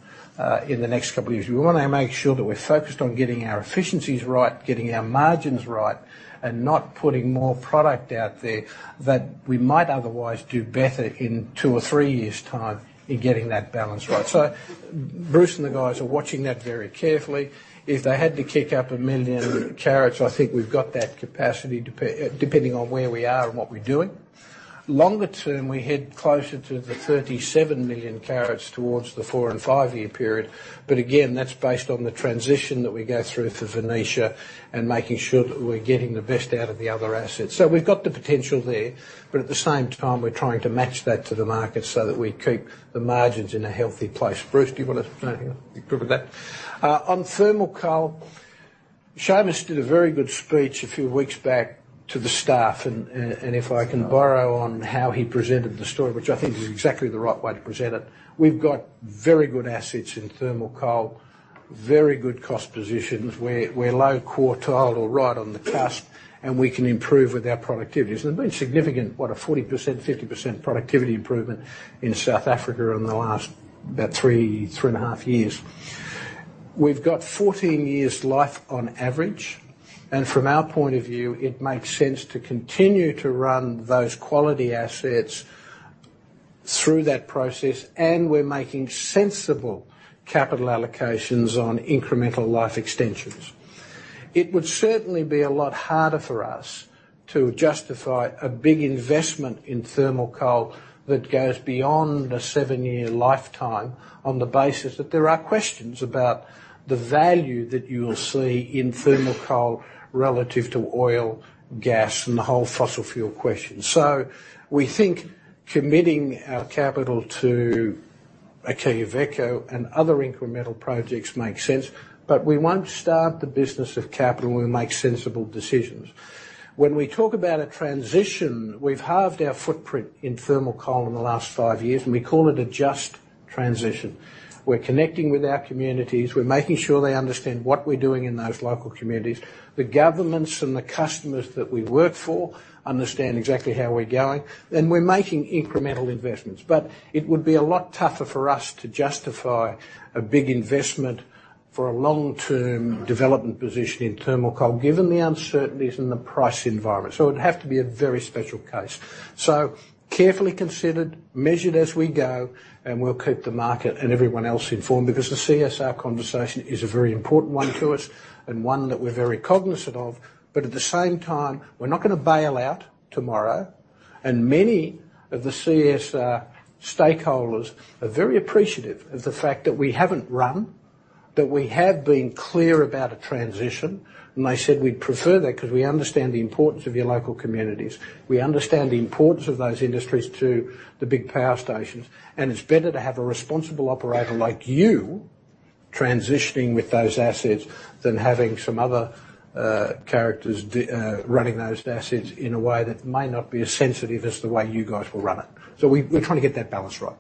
in the next couple of years. We want to make sure that we're focused on getting our efficiencies right, getting our margins right, and not putting more product out there that we might otherwise do better in two or three years' time in getting that balance right. Bruce and the guys are watching that very carefully. If they had to kick up 1 million carats, I think we've got that capacity depending on where we are and what we're doing. Longer term, we head closer to the 37 million carats towards the four- and five-year period. Again, that's based on the transition that we go through for Venetia and making sure that we're getting the best out of the other assets. We've got the potential there. At the same time, we're trying to match that to the market so that we keep the margins in a healthy place. Bruce, do you want to approve of that? On thermal coal, Seamus did a very good speech a few weeks back to the staff, and if I can borrow on how he presented the story, which I think is exactly the right way to present it. We've got very good assets in thermal coal, very good cost positions. We're low quartile or right on the cusp, and we can improve with our productivity. There's been significant, what, a 40%-50% productivity improvement in South Africa in the last about three and a half years. We've got 14 years life on average. From our point of view, it makes sense to continue to run those quality assets through that process, and we're making sensible capital allocations on incremental life extensions. It would certainly be a lot harder for us to justify a big investment in thermal coal that goes beyond a seven-year lifetime on the basis that there are questions about the value that you will see in thermal coal relative to oil, gas, and the whole fossil fuel question. We think committing our capital to a Quellaveco and other incremental projects make sense, but we won't start the business of capital. We make sensible decisions. When we talk about a transition, we've halved our footprint in thermal coal in the last five years, and we call it a just transition. We're connecting with our communities. We're making sure they understand what we're doing in those local communities. The governments and the customers that we work for understand exactly how we're going, and we're making incremental investments. It would be a lot tougher for us to justify a big investment for a long-term development position in thermal coal, given the uncertainties and the price environment. It would have to be a very special case. Carefully considered, measured as we go, and we'll keep the market and everyone else informed because the CSR conversation is a very important one to us and one that we're very cognizant of. At the same time, we're not going to bail out tomorrow. Many of the CSR stakeholders are very appreciative of the fact that we haven't run, that we have been clear about a transition. They said we'd prefer that because we understand the importance of your local communities. We understand the importance of those industries to the big power stations. It's better to have a responsible operator like you transitioning with those assets than having some other characters running those assets in a way that may not be as sensitive as the way you guys will run it. We're trying to get that balance right.